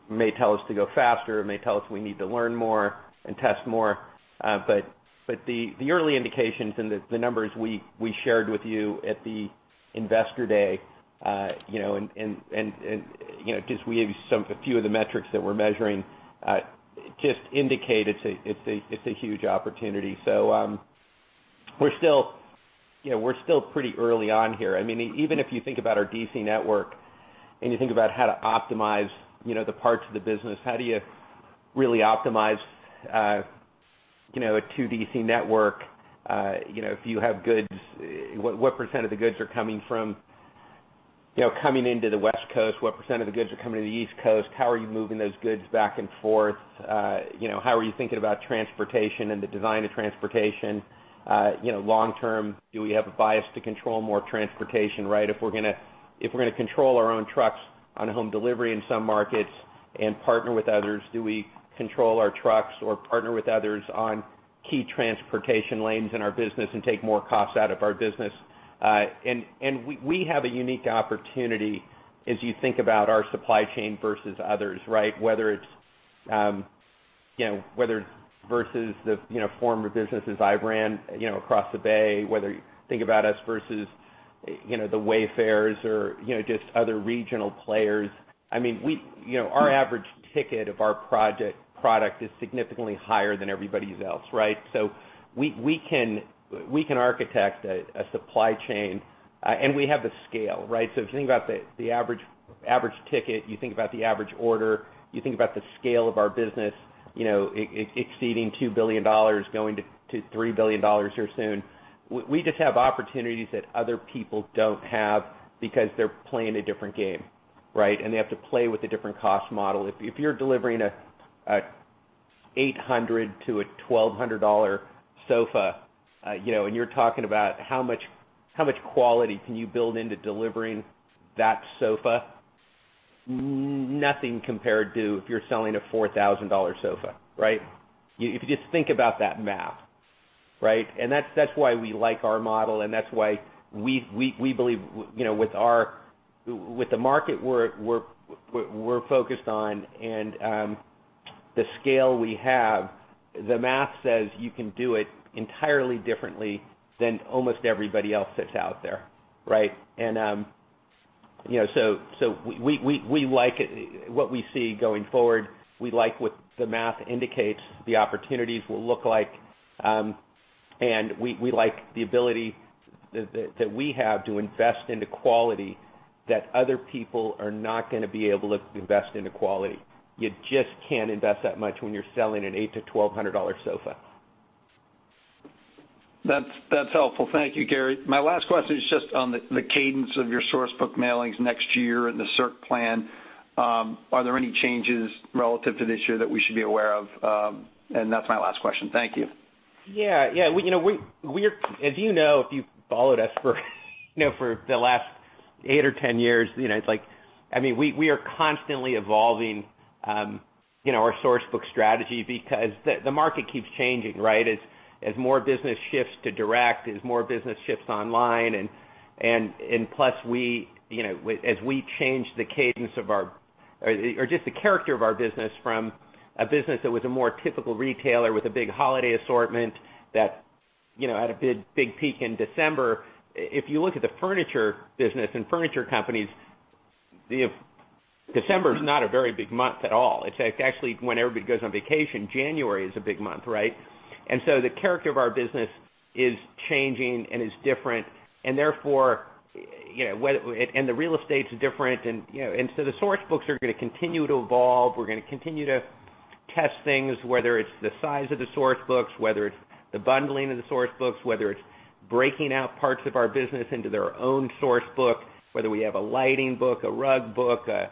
may tell us to go faster. It may tell us we need to learn more and test more. The early indications and the numbers we shared with you at the investor day, and just we gave you a few of the metrics that we're measuring, just indicate it's a huge opportunity. We're still pretty early on here. Even if you think about our D.C. network and you think about how to optimize the parts of the business, how do you really optimize a 2 D.C. network? If you have goods, what percent of the goods are coming into the West Coast? What percent of the goods are coming to the East Coast? How are you moving those goods back and forth? How are you thinking about transportation and the design of transportation? Long term, do we have a bias to control more transportation, right? If we're going to control our own trucks on home delivery in some markets and partner with others, do we control our trucks or partner with others on key transportation lanes in our business and take more costs out of our business? We have a unique opportunity as you think about our supply chain versus others, right? Whether it's versus the former businesses I ran across the Bay, whether you think about us versus the Wayfair or just other regional players. Our average ticket of our product is significantly higher than everybody's else, right? We can architect a supply chain, and we have the scale, right? If you think about the average ticket, you think about the average order, you think about the scale of our business exceeding $2 billion, going to $3 billion here soon. We just have opportunities that other people don't have because they're playing a different game, right? They have to play with a different cost model. If you're delivering an $800-$1,200 sofa, and you're talking about how much quality can you build into delivering that sofa, nothing compared to if you're selling a $4,000 sofa, right? If you just think about that math, right? That's why we like our model, and that's why we believe with the market we're focused on and the scale we have, the math says you can do it entirely differently than almost everybody else that's out there, right? We like what we see going forward. We like what the math indicates the opportunities will look like. We like the ability that we have to invest into quality that other people are not going to be able to invest into quality. You just can't invest that much when you're selling an eight to $1,200 sofa. That's helpful. Thank you, Gary. My last question is just on the cadence of your source book mailings next year and the circ plan. Are there any changes relative to this year that we should be aware of? That's my last question. Thank you. Yeah. As you know, if you followed us for the last 8 or 10 years, we are constantly evolving our source book strategy because the market keeps changing, right? As more business shifts to direct, as more business shifts online, plus as we change the cadence or just the character of our business from a business that was a more typical retailer with a big holiday assortment that had a big peak in December. If you look at the furniture business and furniture companies, December is not a very big month at all. It's actually when everybody goes on vacation. January is a big month, right? The character of our business is changing and is different, and the real estate's different. The source books are going to continue to evolve. We're going to continue to test things, whether it's the size of the source books, whether it's the bundling of the source books, whether it's breaking out parts of our business into their own source book, whether we have a lighting book, a rug book, a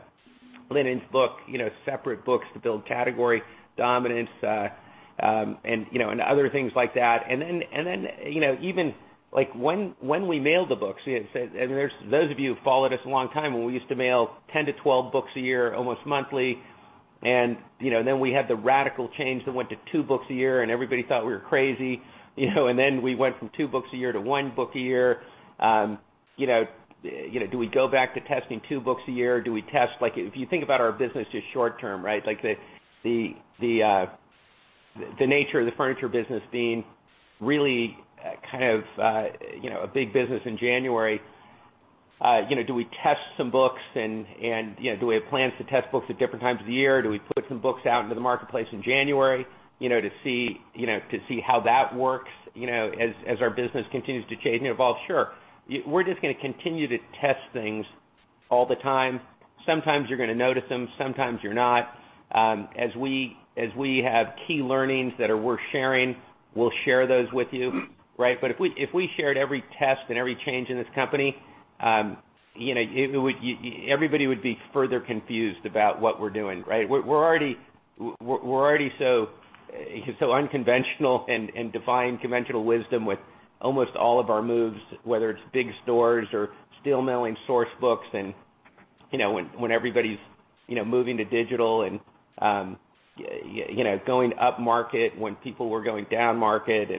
linens book, separate books to build category dominance, and other things like that. Even when we mail the books, those of you who followed us a long time, when we used to mail 10 to 12 books a year, almost monthly, we had the radical change that went to two books a year, and everybody thought we were crazy. We went from two books a year to one book a year. Do we go back to testing two books a year? If you think about our business just short term, right? The nature of the furniture business being really a big business in January. Do we test some books, do we have plans to test books at different times of the year? Do we put some books out into the marketplace in January to see how that works as our business continues to change and evolve? Sure. We're just going to continue to test things all the time. Sometimes you're going to notice them, sometimes you're not. As we have key learnings that are worth sharing, we'll share those with you. If we shared every test and every change in this company, everybody would be further confused about what we're doing, right? We're already so unconventional and defying conventional wisdom with almost all of our moves, whether it's big stores or still mailing source books when everybody's moving to digital and going up market, when people were going down market.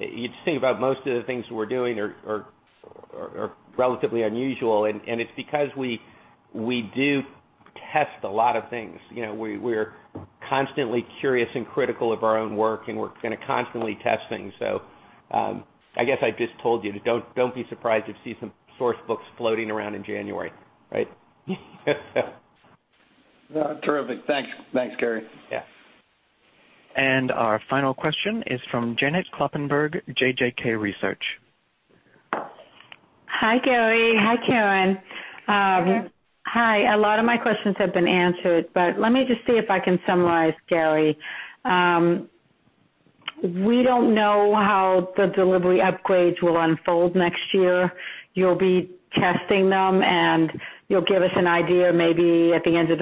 You just think about most of the things we're doing are relatively unusual, and it's because we do test a lot of things. We're constantly curious and critical of our own work, and we're going to constantly test things. I guess I just told you, don't be surprised if you see some source books floating around in January, right? Terrific. Thanks, Gary. Yeah. Our final question is from Janet Kloppenburg, JJK Research. Hi, Gary. Hi, Karen. Hi. Hi. A lot of my questions have been answered, but let me just see if I can summarize, Gary. We don't know how the delivery upgrades will unfold next year. You'll be testing them, and you'll give us an idea maybe at the end of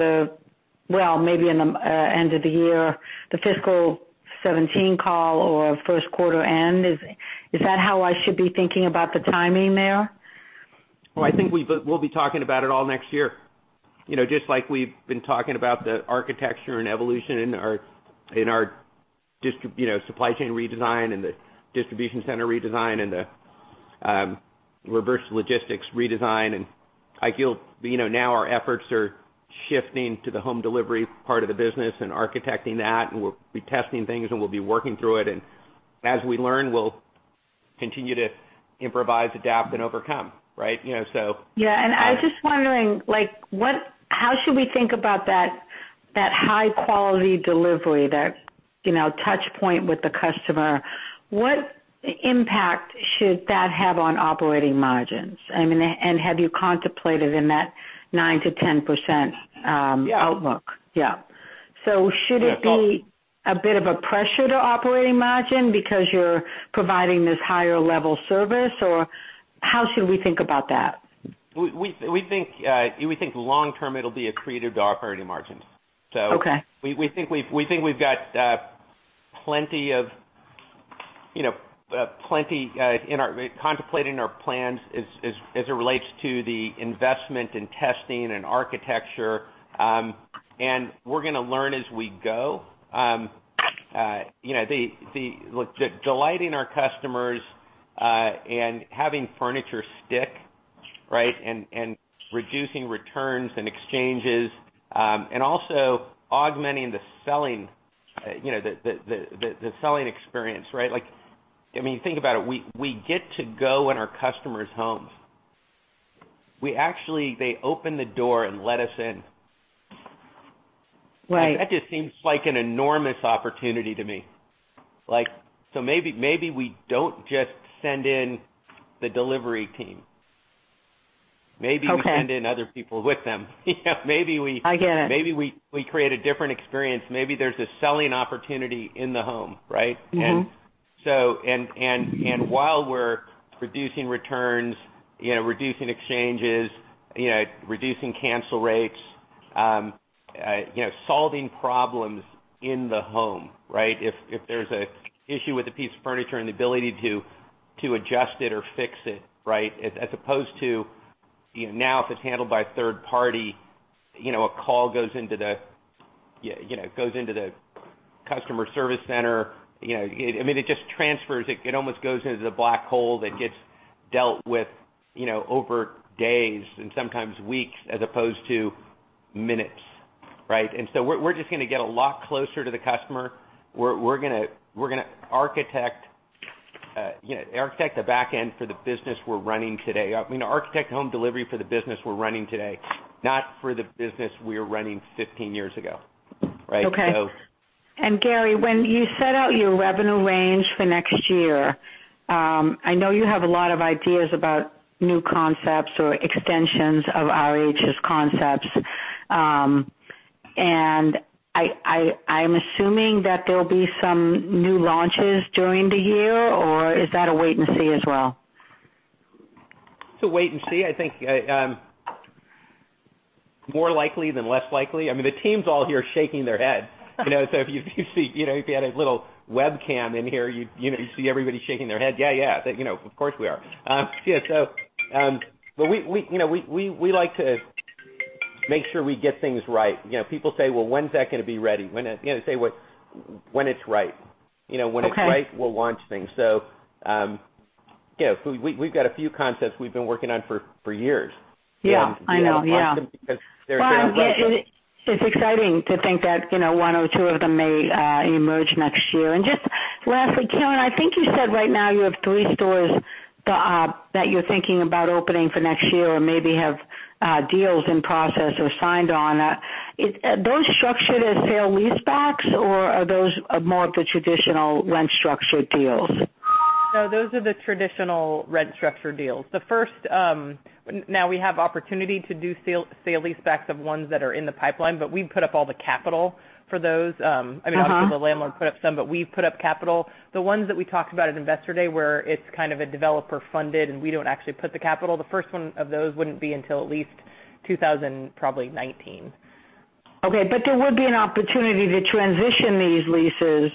the year, the fiscal 2017 call or first quarter end. Is that how I should be thinking about the timing there? Well, I think we'll be talking about it all next year. Just like we've been talking about the architecture and evolution in our supply chain redesign and the distribution center redesign and the reverse logistics redesign. I feel now our efforts are shifting to the home delivery part of the business and architecting that, and we'll be testing things and we'll be working through it. As we learn, we'll continue to improvise, adapt, and overcome, right? Yeah, I was just wondering, how should we think about that high-quality delivery, that touchpoint with the customer. What impact should that have on operating margins? Have you contemplated in that 9%-10% outlook? Yeah. Should it be a bit of a pressure to operating margin because you're providing this higher-level service? How should we think about that? We think long term, it'll be accretive to operating margins. Okay. We think we've got plenty contemplated in our plans as it relates to the investment in testing and architecture. We're going to learn as we go. Delighting our customers and having furniture stick, and reducing returns and exchanges, and also augmenting the selling experience. Think about it. We get to go in our customers' homes. They open the door and let us in. Right. That just seems like an enormous opportunity to me. Maybe we don't just send in the delivery team. Okay. Maybe we send in other people with them. I get it. Maybe we create a different experience. Maybe there's a selling opportunity in the home, right? While we're reducing returns, reducing exchanges, reducing cancel rates, solving problems in the home. If there's an issue with a piece of furniture and the ability to adjust it or fix it. As opposed to now, if it's handled by a third party, a call goes into the customer service center. It just transfers. It almost goes into the black hole that gets dealt with over days and sometimes weeks as opposed to minutes. So we're just going to get a lot closer to the customer. We're going to architect the back end for the business we're running today. Architect home delivery for the business we're running today, not for the business we were running 15 years ago. Okay. Gary, when you set out your revenue range for next year, I know you have a lot of ideas about new concepts or extensions of RH's concepts. I'm assuming that there'll be some new launches during the year, or is that a wait and see as well? It's a wait and see. I think more likely than less likely. The team's all here shaking their head. If you had a little webcam in here, you'd see everybody shaking their head. Yeah, of course we are. We like to make sure we get things right. People say, "Well, when is that going to be ready?" Say, "When it's right. Okay. When it's right, we'll launch things. We've got a few concepts we've been working on for years. Yeah, I know. Because they're- Well, it's exciting to think that one or two of them may emerge next year. Just lastly, Karen, I think you said right now you have three stores that you're thinking about opening for next year or maybe have deals in process or signed on. Are those structured as sale leasebacks or are those more of the traditional rent-structured deals? No, those are the traditional rent-structured deals. Now we have opportunity to do sale leasebacks of ones that are in the pipeline, we've put up all the capital for those. I mean, obviously the landlord put up some, we've put up capital. The ones that we talked about at Investor Day where it's kind of a developer-funded and we don't actually put the capital, the first one of those wouldn't be until at least 2000, probably 2019. Okay. There would be an opportunity to transition these leases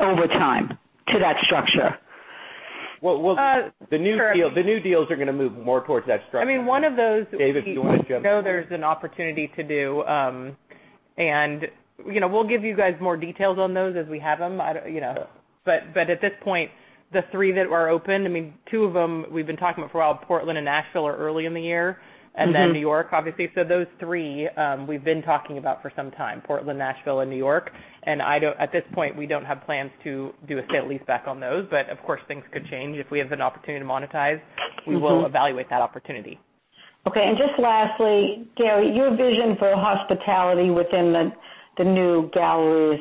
over time to that structure. Well, the new deals are going to move more towards that structure. I mean, one of those. David, do you want to jump in? We know there's an opportunity to do. We'll give you guys more details on those as we have them. At this point, the three that were opened, two of them we've been talking about for a while. Portland and Nashville are early in the year. New York, obviously. Those three we've been talking about for some time, Portland, Nashville and New York. At this point, we don't have plans to do a sale leaseback on those. Of course, things could change. If we have an opportunity to monetize- we will evaluate that opportunity. Okay. Just lastly, Gary, your vision for hospitality within the new galleries.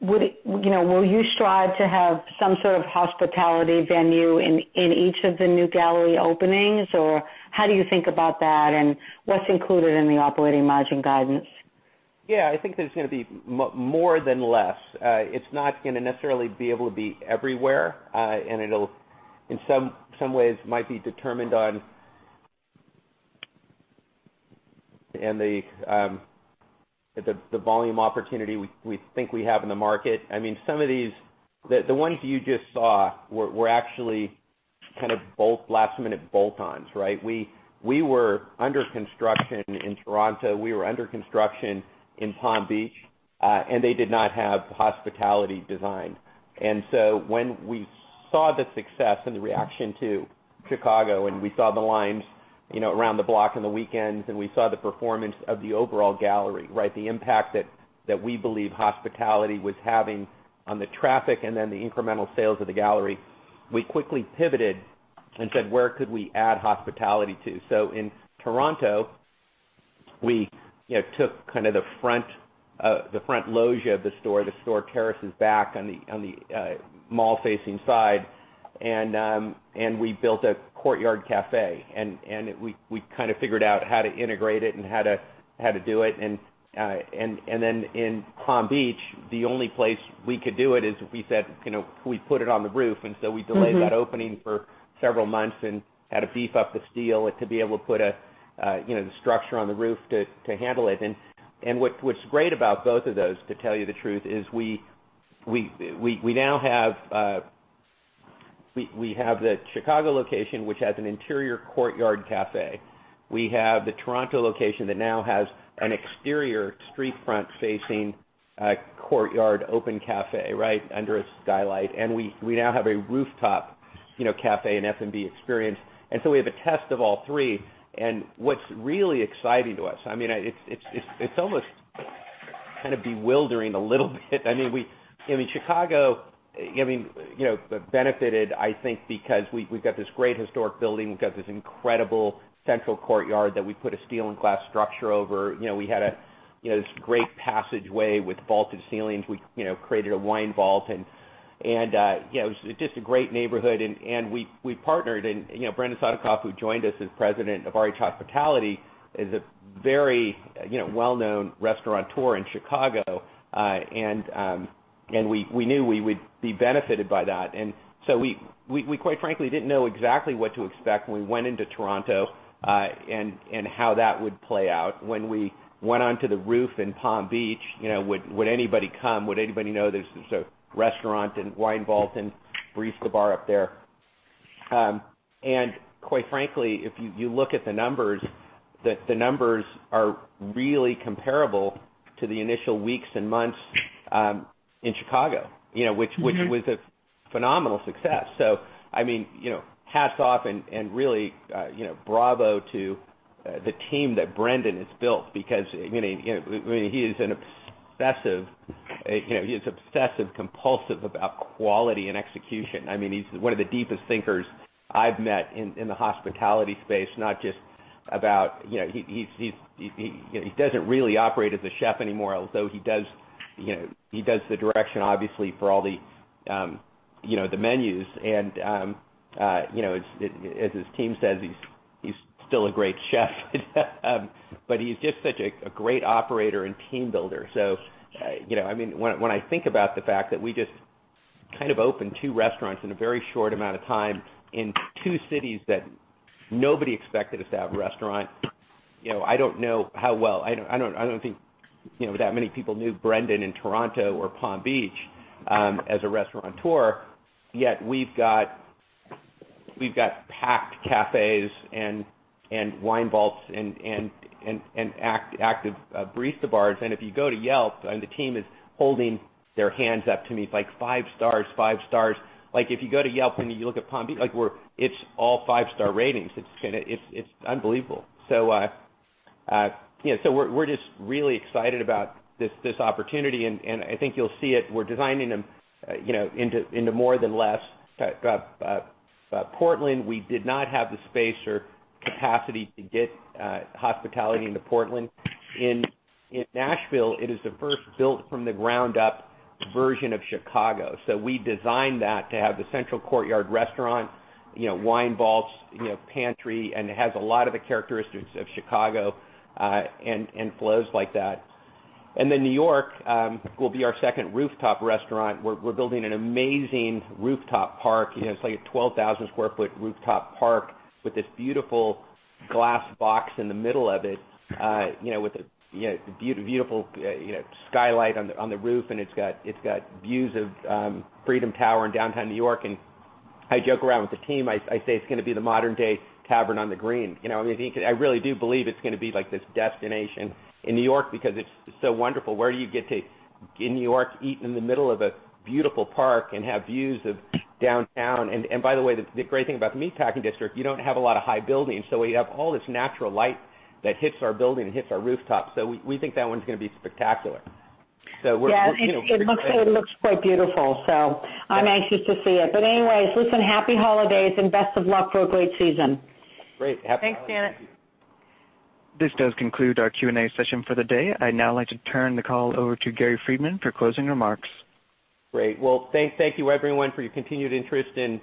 Will you strive to have some sort of hospitality venue in each of the new gallery openings, or how do you think about that and what's included in the operating margin guidance? Yeah, I think there's going to be more than less. It's not going to necessarily be able to be everywhere. It in some ways might be determined on the volume opportunity we think we have in the market. The ones you just saw were actually kind of both last-minute bolt-ons, right? We were under construction in Toronto. We were under construction in Palm Beach. They did not have hospitality design. When we saw the success and the reaction to Chicago and we saw the lines around the block on the weekends and we saw the performance of the overall gallery. The impact that we believe hospitality was having on the traffic and then the incremental sales of the gallery. We quickly pivoted and said, "Where could we add hospitality to?" In Toronto, we took kind of the front loggia of the store. The store terraces back on the mall-facing side and we built a courtyard cafe. We kind of figured out how to integrate it and how to do it. Then in Palm Beach, the only place we could do it is we said we put it on the roof. We delayed that opening for several months and had to beef up the steel to be able to put the structure on the roof to handle it. What's great about both of those, to tell you the truth, is we have the Chicago location, which has an interior courtyard cafe. We have the Toronto location that now has an exterior street front-facing courtyard open cafe under a skylight. We now have a rooftop cafe and F&B experience. We have a test of all three. What's really exciting to us, it's almost kind of bewildering a little bit. Chicago benefited because we've got this great historic building. We've got this incredible central courtyard that we put a steel and glass structure over. We had this great passageway with vaulted ceilings. We created a wine vault and it was just a great neighborhood and we partnered. Brendan Sodikoff, who joined us as President of RH Hospitality, is a very well-known restaurateur in Chicago. We knew we would be benefited by that. We quite frankly didn't know exactly what to expect when we went into Toronto and how that would play out. When we went onto the roof in Palm Beach, would anybody come? Would anybody know there's a restaurant and wine vault and barista bar up there? Quite frankly, if you look at the numbers, the numbers are really comparable to the initial weeks and months in Chicago which was a phenomenal success. Hats off and really bravo to the team that Brendan has built because he is obsessive-compulsive about quality and execution. He's one of the deepest thinkers I've met in the hospitality space. He doesn't really operate as a chef anymore, although he does the direction, obviously, for all the menus. As his team says, he's still a great chef but he's just such a great operator and team builder. When I think about the fact that we just kind of opened 2 restaurants in a very short amount of time in 2 cities that nobody expected us to have a restaurant I don't know how well I don't think that many people knew Brendan in Toronto or Palm Beach as a restaurateur, yet we've got packed cafes and wine vaults and active barista bars. If you go to Yelp, and the team is holding their hands up to me, it's like 5 stars. If you go to Yelp, and you look at Palm Beach, it's all 5-star ratings. It's unbelievable. We're just really excited about this opportunity, and I think you'll see it. We're designing them into more than less. Portland, we did not have the space or capacity to get hospitality into Portland. In Nashville, it is the first built-from-the-ground-up version of Chicago. We designed that to have the central courtyard restaurant, wine vaults, pantry. It has a lot of the characteristics of Chicago, flows like that. New York will be our second rooftop restaurant. We're building an amazing rooftop park. It's like a 12,000 sq ft rooftop park with this beautiful glass box in the middle of it, with a beautiful skylight on the roof. It's got views of Freedom Tower in downtown New York. I joke around with the team, I say it's going to be the modern-day Tavern on the Green. I really do believe it's going to be like this destination in New York because it's so wonderful. Where do you get to, in New York, eat in the middle of a beautiful park and have views of downtown? By the way, the great thing about the Meatpacking District, you don't have a lot of high buildings. We have all this natural light that hits our building and hits our rooftop. We think that one's going to be spectacular. It looks quite beautiful, I'm anxious to see it. Anyways, listen, happy holidays, best of luck for a great season. Great. Happy holidays. Thanks, Janet. This does conclude our Q&A session for the day. I'd now like to turn the call over to Gary Friedman for closing remarks. Great. Well, thank you everyone for your continued interest in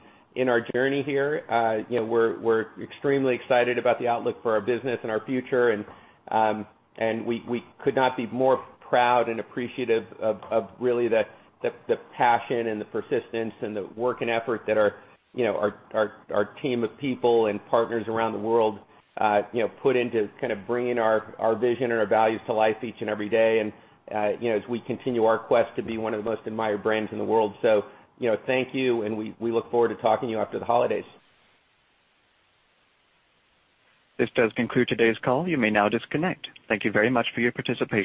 our journey here. We're extremely excited about the outlook for our business and our future, and we could not be more proud and appreciative of really the passion and the persistence and the work and effort that our team of people and partners around the world put into kind of bringing our vision and our values to life each and every day, and as we continue our quest to be one of the most admired brands in the world. Thank you, and we look forward to talking to you after the holidays. This does conclude today's call. You may now disconnect. Thank you very much for your participation.